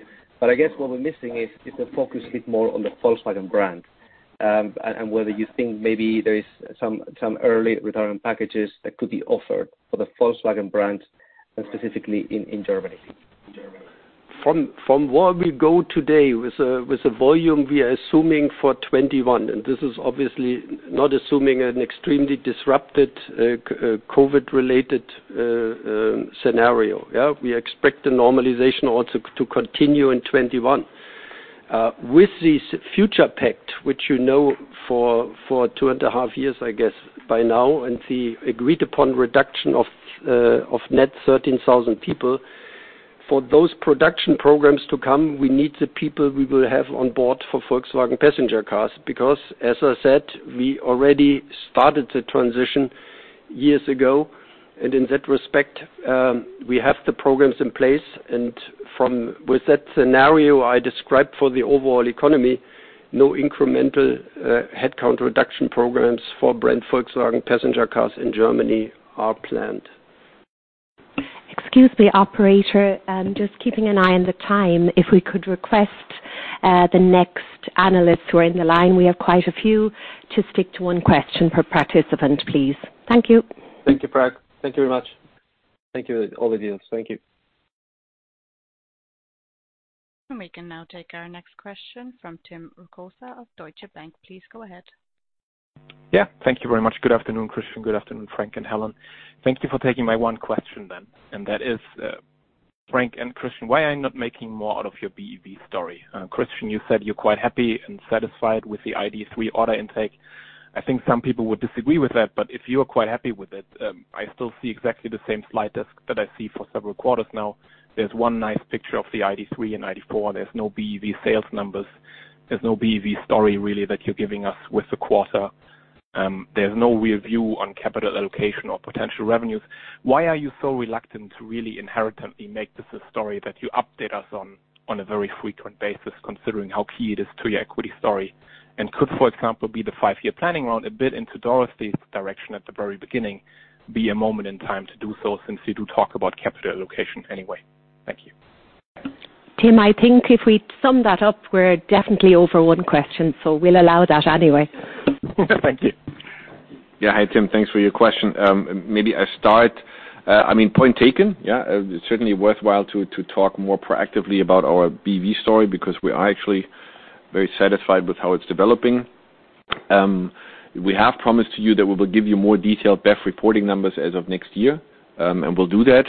I guess what we're missing is the focus a bit more on the Volkswagen brand, and whether you think maybe there is some early retirement packages that could be offered for the Volkswagen brand, and specifically in Germany. From where we go today with the volume we are assuming for 2021, this is obviously not assuming an extremely disrupted COVID-19-related scenario. Yeah. We expect the normalization also to continue in 2021. With this Zukunftspakt, which you know for 2.5 years, I guess, by now, and the agreed-upon reduction of net 13,000 people, for those production programs to come, we need the people we will have on board for Volkswagen passenger cars. As I said, we already started the transition years ago, and in that respect, we have the programs in place. With that scenario I described for the overall economy, no incremental headcount reduction programs for brand Volkswagen passenger cars in Germany are planned. Excuse me, operator. Just keeping an eye on the time. If we could request the next analysts who are in the line, we have quite a few, to stick to one question per participant, please. Thank you. Thank you, Frank. Thank you very much. Thank you. Over to you. Thank you. We can now take our next question from Tim Rokossa of Deutsche Bank. Please go ahead. Yeah. Thank you very much. Good afternoon, Christian. Good afternoon, Frank and Helen. Thank you for taking my one question then. That is, Frank and Christian, why are you not making more out of your BEV story? Christian, you said you are quite happy and satisfied with the ID.3 order intake. I think some people would disagree with that, If you are quite happy with it, I still see exactly the same slide deck that I see for several quarters now. There is one nice picture of the ID.3 and ID.4. There is no BEV sales numbers. There is no BEV story really that you are giving us with the quarter. There is no real view on capital allocation or potential revenues. Why are you so reluctant to really inherently make this a story that you update us on a very frequent basis, considering how key it is to your equity story? Could, for example, be the five-year planning round a bit into Dorothee's direction at the very beginning, be a moment in time to do so since you do talk about capital allocation anyway. Thank you. Tim, I think if we sum that up, we're definitely over one question, so we'll allow that anyway. Thank you. Hi, Tim. Thanks for your question. Point taken. It's certainly worthwhile to talk more proactively about our BEV story, because we are actually very satisfied with how it's developing. We have promised to you that we will give you more detailed BEV reporting numbers as of next year, and we'll do that.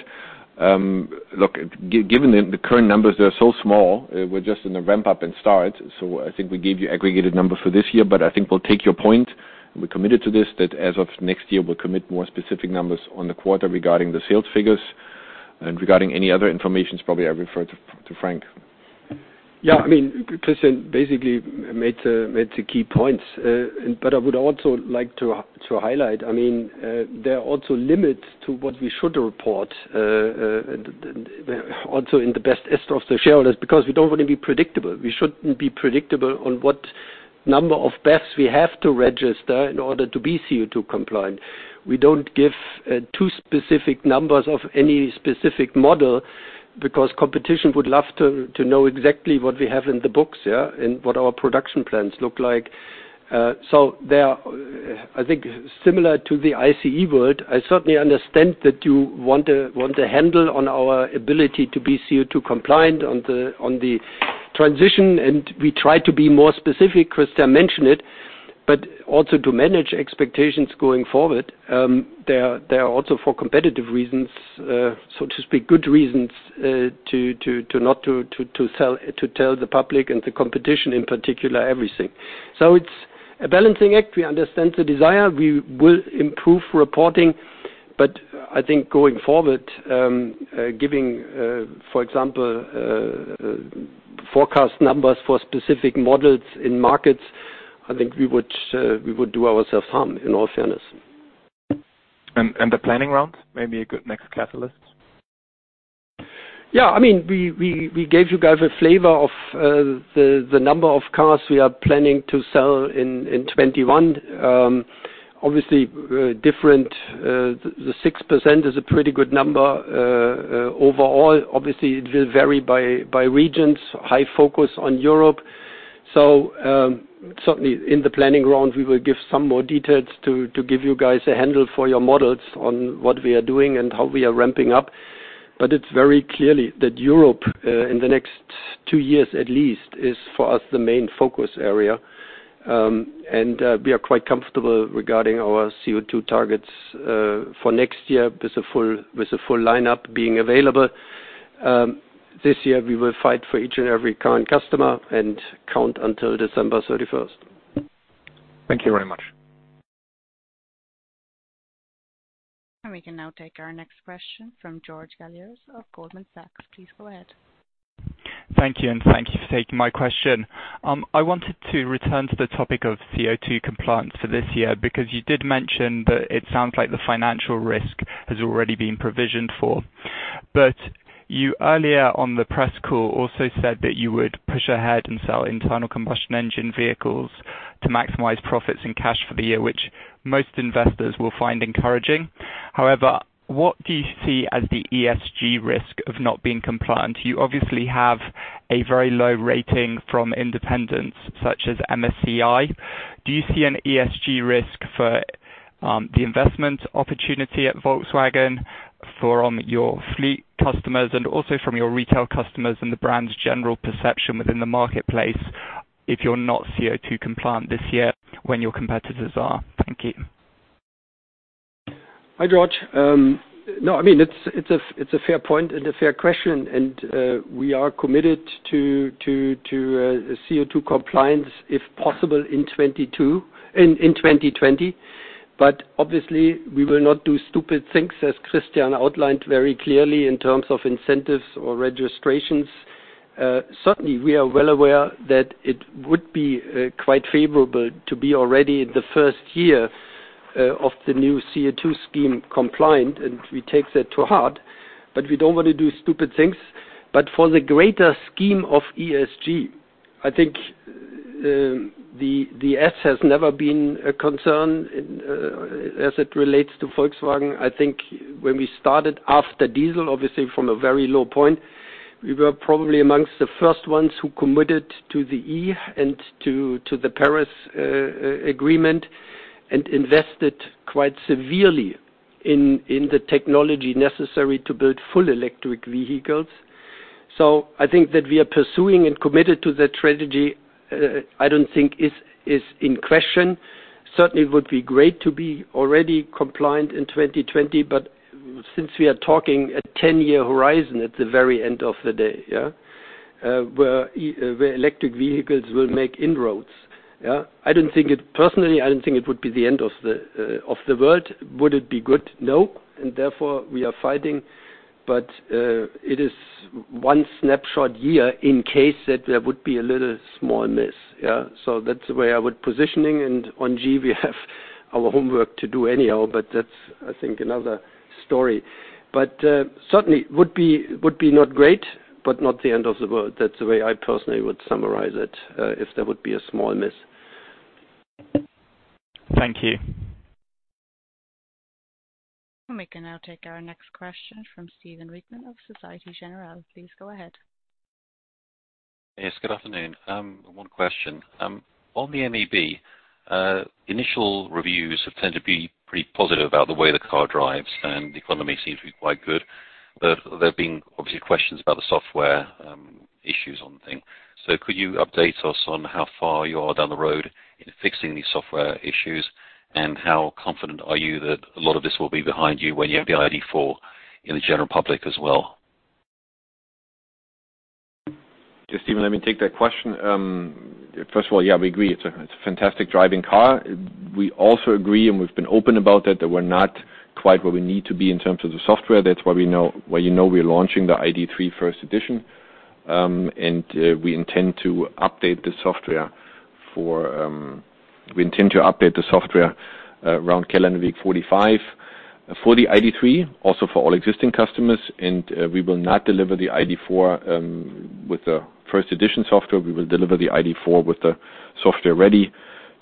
Look, given the current numbers, they are so small, we're just in the ramp-up and start. I think we gave you aggregated numbers for this year, but I think we'll take your point. We're committed to this, that as of next year, we'll commit more specific numbers on the quarter regarding the sales figures, and regarding any other information, probably I refer to Frank. Yeah. Christian basically made the key points. I would also like to highlight, there are also limits to what we should report, also in the best interest of the shareholders, because we don't want to be predictable. We shouldn't be predictable on what number of BEVs we have to register in order to be CO2 compliant. We don't give too specific numbers of any specific model, because competition would love to know exactly what we have in the books, yeah? What our production plans look like. There, I think similar to the ICE world, I certainly understand that you want a handle on our ability to be CO2 compliant on the transition, and we try to be more specific, Christian mentioned it, but also to manage expectations going forward. There are also for competitive reasons, so to speak, good reasons to not to tell the public and the competition in particular everything. It's a balancing act. We understand the desire. We will improve reporting. I think going forward, giving, for example, forecast numbers for specific models in markets, I think we would do ourselves harm in all fairness. The planning round may be a good next catalyst? Yeah. We gave you guys a flavor of the number of cars we are planning to sell in 2021. Obviously, the 6% is a pretty good number. Overall, obviously, it will vary by regions. High focus on Europe. Certainly in the planning round, we will give some more details to give you guys a handle for your models on what we are doing and how we are ramping up. It's very clear that Europe, in the next two years at least, is for us the main focus area. We are quite comfortable regarding our CO2 targets for next year with the full lineup being available. This year, we will fight for each and every current customer and count until December 31st. Thank you very much. We can now take our next question from George Galliers of Goldman Sachs. Please go ahead. Thank you. Thank you for taking my question. I wanted to return to the topic of CO2 compliance for this year, because you did mention that it sounds like the financial risk has already been provisioned for. You earlier on the press call also said that you would push ahead and sell internal combustion engine vehicles to maximize profits and cash for the year, which most investors will find encouraging. However, what do you see as the ESG risk of not being compliant? You obviously have a very low rating from independents such as MSCI. Do you see an ESG risk for the investment opportunity at Volkswagen, from your fleet customers and also from your retail customers and the brand's general perception within the marketplace if you're not CO2 compliant this year when your competitors are? Thank you. Hi, George. It's a fair point and a fair question, we are committed to CO2 compliance, if possible in 2020. Obviously we will not do stupid things, as Christian outlined very clearly in terms of incentives or registrations. Certainly, we are well aware that it would be quite favorable to be already in the first year of the new CO2 scheme compliant, we take that to heart, we don't want to do stupid things. For the greater scheme of ESG, I think the S has never been a concern as it relates to Volkswagen. I think when we started after diesel, obviously from a very low point, we were probably amongst the first ones who committed to the E and to the Paris Agreement and invested quite severely in the technology necessary to build full electric vehicles. I think that we are pursuing and committed to that strategy, I don't think is in question. Certainly would be great to be already compliant in 2020. Since we are talking a 10-year horizon at the very end of the day, yeah? Where electric vehicles will make inroads. Personally, I don't think it would be the end of the world. Would it be good? No. Therefore, we are fighting. It is one snapshot year in case that there would be a little, small miss. Yeah. That's the way I would positioning and on ESG, we have our homework to do anyhow. That's I think another story. Certainly would be not great, but not the end of the world. That's the way I personally would summarize it, if there would be a small miss. Thank you. We can now take our next question from Stephen Reitman of Societe Generale. Please go ahead. Yes, good afternoon. One question. On the MEB, initial reviews have tended to be pretty positive about the way the car drives, and the economy seems to be quite good, but there have been obviously questions about the software issues on the thing. Could you update us on how far you are down the road in fixing these software issues, and how confident are you that a lot of this will be behind you when you have the ID.4 in the general public as well? Yeah, Stephen, let me take that question. First of all, yeah, we agree, it's a fantastic driving car. We also agree, we've been open about that we're not quite where we need to be in terms of the software. That's why you know we're launching the ID.3 first edition. We intend to update the software around calendar week 45 for the ID.3, also for all existing customers, and we will not deliver the ID.4 with the first edition software. We will deliver the ID.4 with the software ready.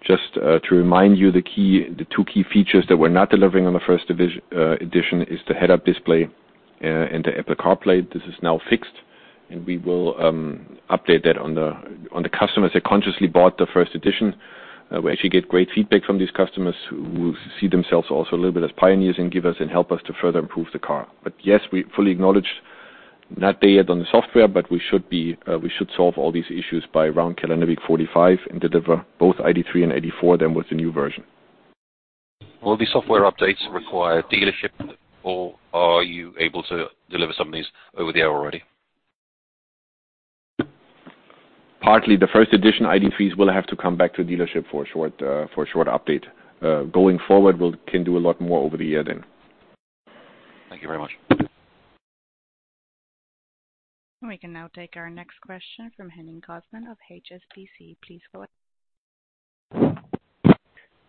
Just to remind you, the two key features that we're not delivering on the first edition is the head-up display and the Apple CarPlay. This is now fixed, and we will update that on the customers that consciously bought the first edition. We actually get great feedback from these customers who see themselves also a little bit as pioneers and givers and help us to further improve the car. Yes, we fully acknowledge not there yet on the software, but we should solve all these issues by around calendar week 45 and deliver both ID.3 and ID.4 then with the new version. Will the software updates require dealership, or are you able to deliver some of these over-the-air already? Partly. The first edition ID.3s will have to come back to a dealership for a short update. Going forward, we can do a lot more over-the-air then. Thank you very much. We can now take our next question from Henning Cosman of HSBC. Please go ahead.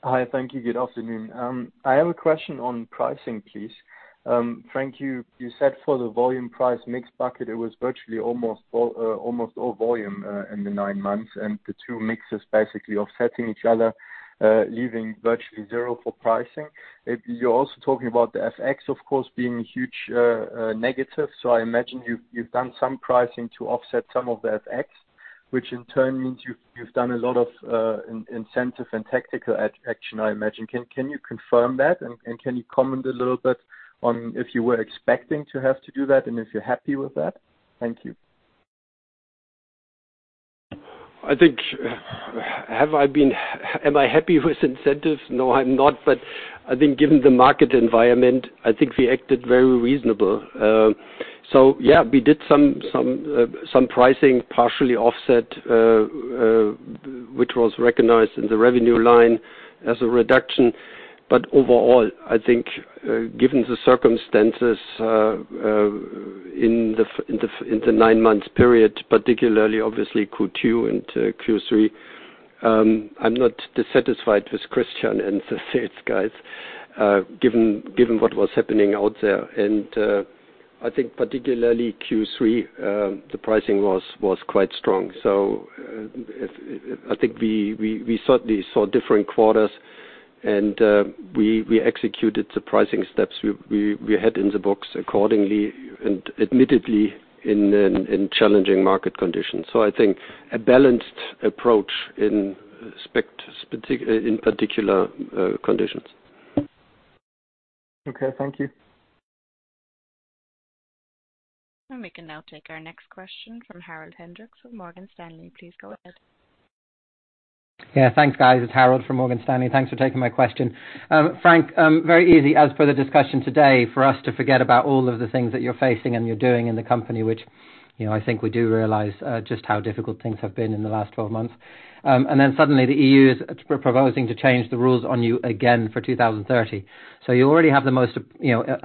Hi. Thank you. Good afternoon. I have a question on pricing, please. Frank, you said for the volume price mix bucket, it was virtually almost all volume in the nine months, and the two mixes basically offsetting each other, leaving virtually zero for pricing. You're also talking about the FX, of course, being huge negative, so I imagine you've done some pricing to offset some of the FX, which in turn means you've done a lot of incentive and tactical action, I imagine. Can you confirm that, and can you comment a little bit on if you were expecting to have to do that and if you're happy with that? Thank you. I think, am I happy with incentives? No, I'm not. I think given the market environment, I think we acted very reasonable. Yeah, we did some pricing partially offset, which was recognized in the revenue line as a reduction. Overall, I think, given the circumstances in the nine-month period, particularly obviously Q2 and Q3, I'm not dissatisfied with Christian and the sales guys given what was happening out there. I think particularly Q3, the pricing was quite strong. I think we certainly saw different quarters, and we executed the pricing steps we had in the books accordingly and admittedly in challenging market conditions. I think a balanced approach in particular conditions. Okay, thank you. We can now take our next question from Harald Hendrikse with Morgan Stanley. Please go ahead. Yeah. Thanks, guys. It's Harald from Morgan Stanley. Thanks for taking my question. Frank, very easy as per the discussion today for us to forget about all of the things that you're facing and you're doing in the company, which I think we do realize just how difficult things have been in the last 12 months. Suddenly the EU is proposing to change the rules on you again for 2030. You already have the most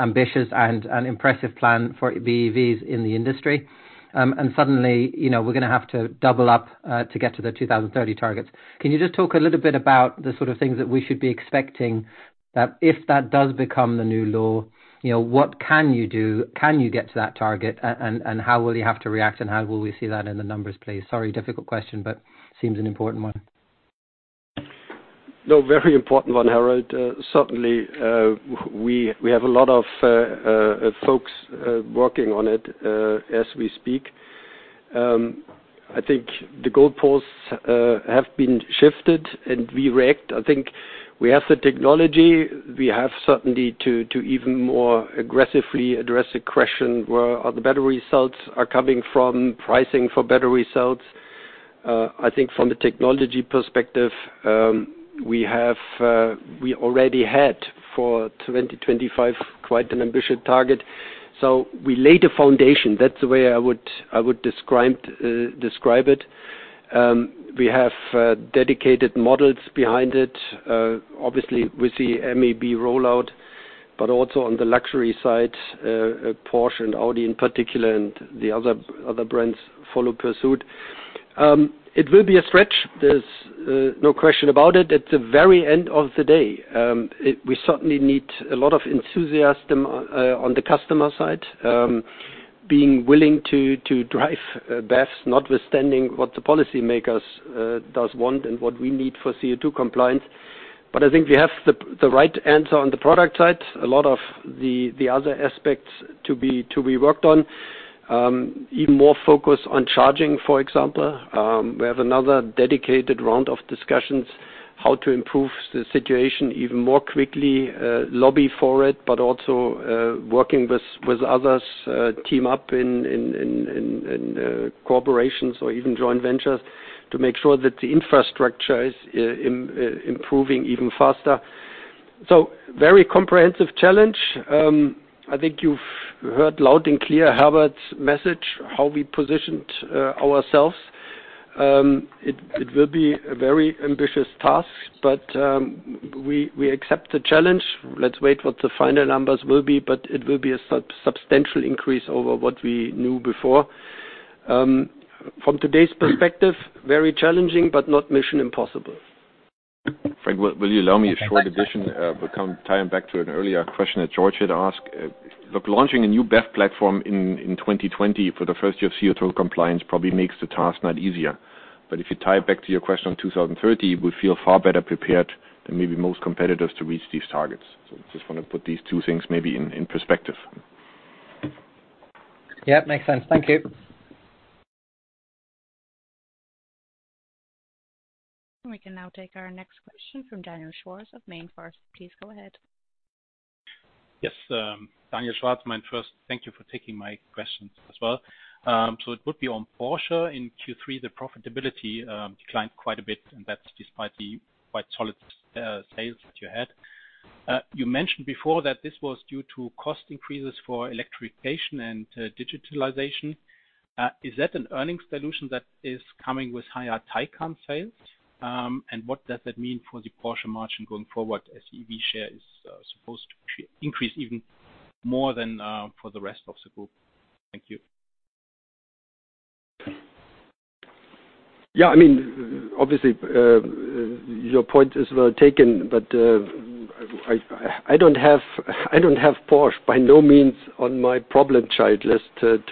ambitious and impressive plan for BEVs in the industry. Suddenly, we're going to have to double up to get to the 2030 targets. Can you just talk a little bit about the sort of things that we should be expecting that if that does become the new law, what can you do? Can you get to that target? How will you have to react, and how will we see that in the numbers, please? Sorry, difficult question, but seems an important one. Very important one, Harald. Certainly, we have a lot of folks working on it as we speak. The goalposts have been shifted, we react. We have the technology. We have certainty to even more aggressively address the question, where the battery cells are coming from, pricing for battery cells. From the technology perspective, we already had for 2025 quite an ambitious target. We laid a foundation. That's the way I would describe it. We have dedicated models behind it. With the MEB rollout, also on the luxury side, Porsche and Audi in particular, the other brands follow pursuit. It will be a stretch. There's no question about it. At the very end of the day, we certainly need a lot of enthusiasm on the customer side-Being willing to drive BEVs notwithstanding what the policymakers does want and what we need for CO2 compliance. I think we have the right answer on the product side, a lot of the other aspects to be worked on. Even more focus on charging, for example. We have another dedicated round of discussions how to improve the situation even more quickly, lobby for it, but also working with others, team up in corporations or even joint ventures to make sure that the infrastructure is improving even faster. Very comprehensive challenge. I think you've heard loud and clear Herbert's message, how we positioned ourselves. It will be a very ambitious task, but we accept the challenge. Let's wait what the final numbers will be, but it will be a substantial increase over what we knew before. From today's perspective, very challenging, but not mission impossible. Frank, will you allow me a short addition? We come tying back to an earlier question that George had asked. Look, launching a new BEV platform in 2020 for the first year of CO2 compliance probably makes the task not easier. If you tie it back to your question on 2030, we feel far better prepared than maybe most competitors to reach these targets. Just want to put these two things maybe in perspective. Yeah, makes sense. Thank you. We can now take our next question from Daniel Schwarz of MainFirst. Please go ahead. Yes. Daniel Schwarz, MainFirst. Thank you for taking my questions as well. It would be on Porsche in Q3, the profitability declined quite a bit, and that's despite the quite solid sales that you had. You mentioned before that this was due to cost increases for electrification and digitalization. Is that an earnings dilution that is coming with higher Taycan sales? What does that mean for the Porsche margin going forward as EV share is supposed to increase even more than for the rest of the group? Thank you. Obviously, your point is well taken, but I don't have Porsche by no means on my problem child list to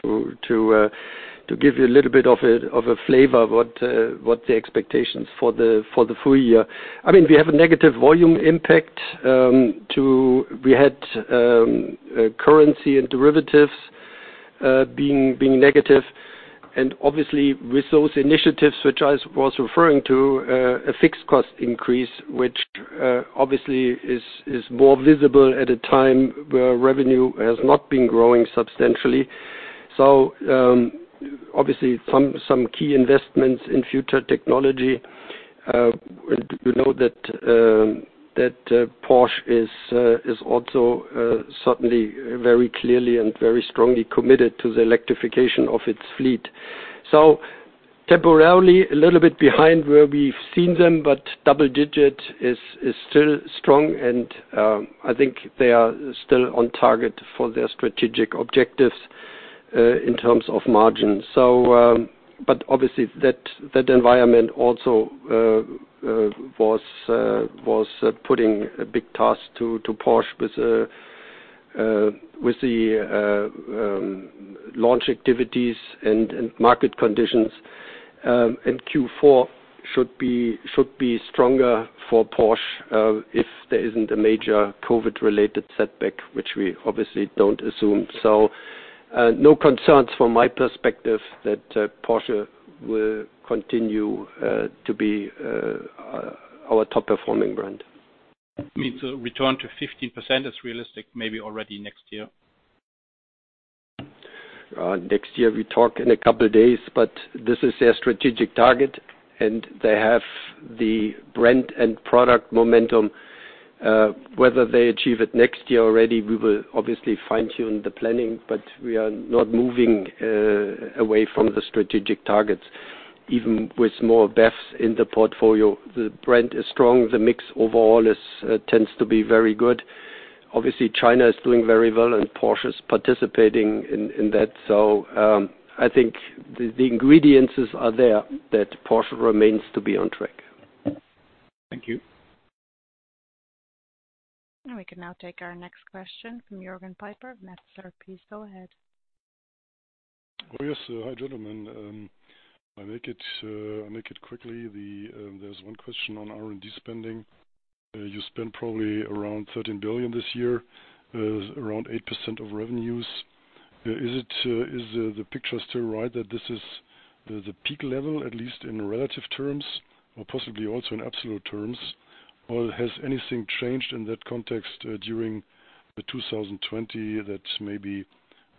give you a little bit of a flavor what the expectations for the full year. We have a negative volume impact to we had currency and derivatives being negative and obviously with those initiatives which I was referring to, a fixed cost increase, which obviously is more visible at a time where revenue has not been growing substantially. Obviously some key investments in future technology. You know that Porsche is also certainly very clearly and very strongly committed to the electrification of its fleet. Temporarily a little bit behind where we've seen them, but double digit is still strong and I think they are still on target for their strategic objectives, in terms of margin. Obviously that environment also was putting a big task to Porsche with the launch activities and market conditions. Q4 should be stronger for Porsche, if there isn't a major COVID-related setback, which we obviously don't assume. No concerns from my perspective that Porsche will continue to be our top-performing brand. You mean to return to 15% is realistic, maybe already next year? Next year we talk in a couple of days, but this is their strategic target and they have the brand and product momentum. Whether they achieve it next year already, we will obviously fine-tune the planning, but we are not moving away from the strategic targets. Even with more BEVs in the portfolio, the brand is strong, the mix overall tends to be very good. Obviously, China is doing very well and Porsche is participating in that. I think the ingredients are there that Porsche remains to be on track. Thank you. We can now take our next question from Jürgen Pieper of Metzler. Please go ahead. Oh, yes. Hi, gentlemen. I make it quickly. There's one question on R&D spending. You spend probably around 13 billion this year, around 8% of revenues. Is the picture still right that this is the peak level, at least in relative terms or possibly also in absolute terms? Has anything changed in that context during 2020 that maybe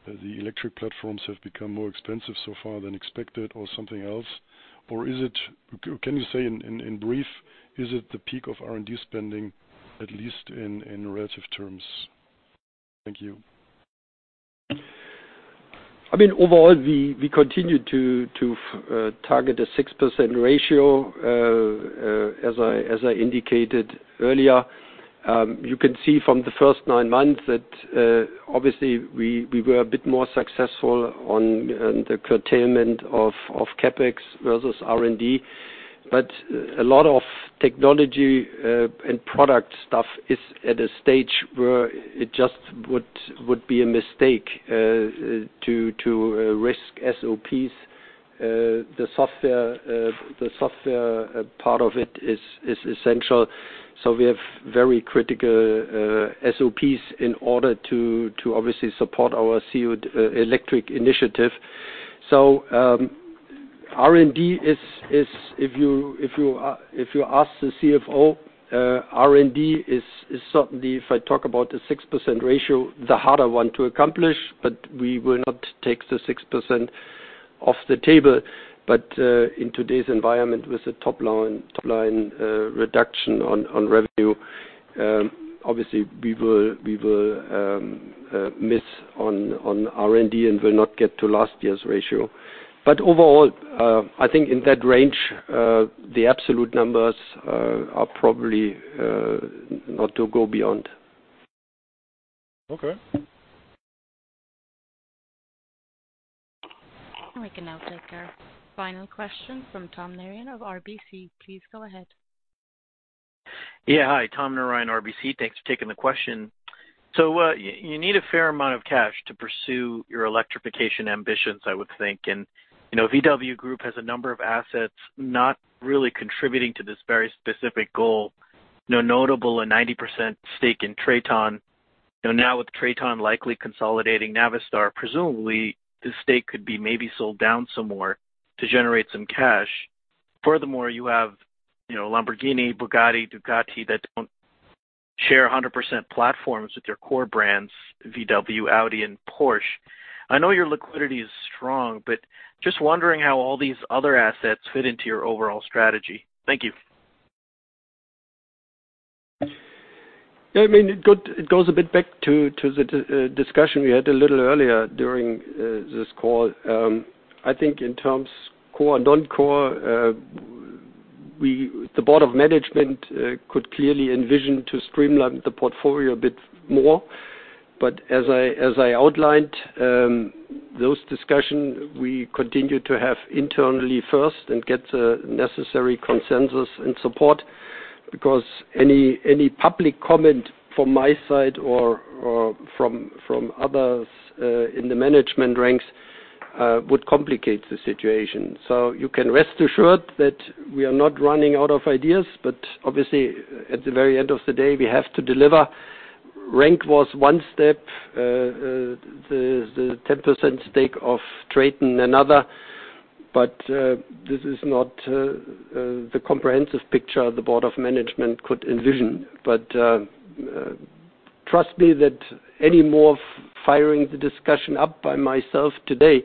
the electric platforms have become more expensive so far than expected or something else? Can you say in brief, is it the peak of R&D spending, at least in relative terms? Thank you. Overall, we continue to target a 6% ratio, as I indicated earlier. You can see from the first nine months that obviously we were a bit more successful on the curtailment of CapEx versus R&D. A lot of technology and product stuff is at a stage where it just would be a mistake to risk SOPs. The software part of it is essential. We have very critical SOPs in order to obviously support our CO2 electric initiative. R&D is, if you ask the CFO, R&D is certainly, if I talk about the 6% ratio, the harder one to accomplish, but we will not take the 6% off the table. In today's environment, with the top-line reduction on revenue, obviously we will miss on R&D and will not get to last year's ratio. Overall, I think in that range, the absolute numbers are probably not to go beyond. Okay. We can now take our final question from Tom Narayan of RBC. Please go ahead. Hi, Tom Narayan, RBC. Thanks for taking the question. You need a fair amount of cash to pursue your electrification ambitions, I would think. VW Group has a number of assets not really contributing to this very specific goal. Notable, a 90% stake in TRATON. With TRATON likely consolidating Navistar, presumably this stake could be maybe sold down some more to generate some cash. Furthermore, you have Lamborghini, Bugatti, Ducati, that don't share 100% platforms with your core brands, VW, Audi, and Porsche. I know your liquidity is strong, just wondering how all these other assets fit into your overall strategy. Thank you. It goes a bit back to the discussion we had a little earlier during this call. I think in terms core, non-core, the board of management could clearly envision to streamline the portfolio a bit more. As I outlined, those discussion we continue to have internally first and get the necessary consensus and support, because any public comment from my side or from others in the management ranks would complicate the situation. You can rest assured that we are not running out of ideas, but obviously at the very end of the day, we have to deliver. RENK was one step, the 10% stake of TRATON another. This is not the comprehensive picture the board of management could envision. Trust me that any more firing the discussion up by myself today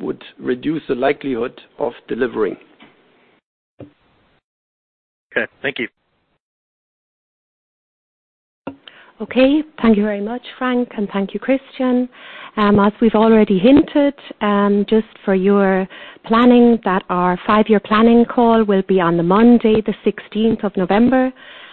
would reduce the likelihood of delivering. Okay. Thank you. Okay. Thank you very much, Frank, and thank you, Christian. As we've already hinted, just for your planning, that our five-year planning call will be on the Monday, the 16th of November.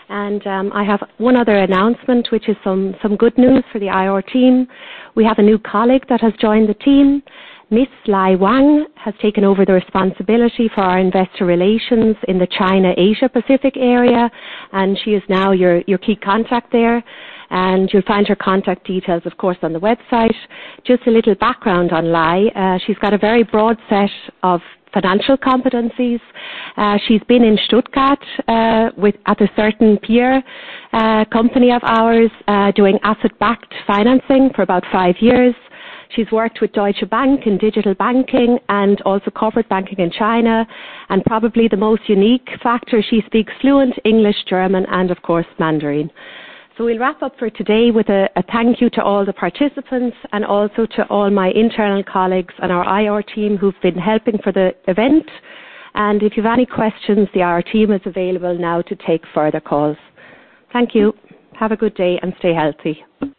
I have one other announcement, which is some good news for the IR team. We have a new colleague that has joined the team. Ms. Lai Wang has taken over the responsibility for our investor relations in the China Asia Pacific area, and she is now your key contact there, and you'll find her contact details, of course, on the website. Just a little background on Lai. She's got a very broad set of financial competencies. She's been in Stuttgart at a certain peer company of ours, doing asset-backed financing for about five years. She's worked with Deutsche Bank in digital banking and also corporate banking in China. Probably the most unique factor, she speaks fluent English, German, and of course, Mandarin. We'll wrap up for today with a thank you to all the participants and also to all my internal colleagues and our IR team who've been helping for the event. If you have any questions, the IR team is available now to take further calls. Thank you. Have a good day and stay healthy.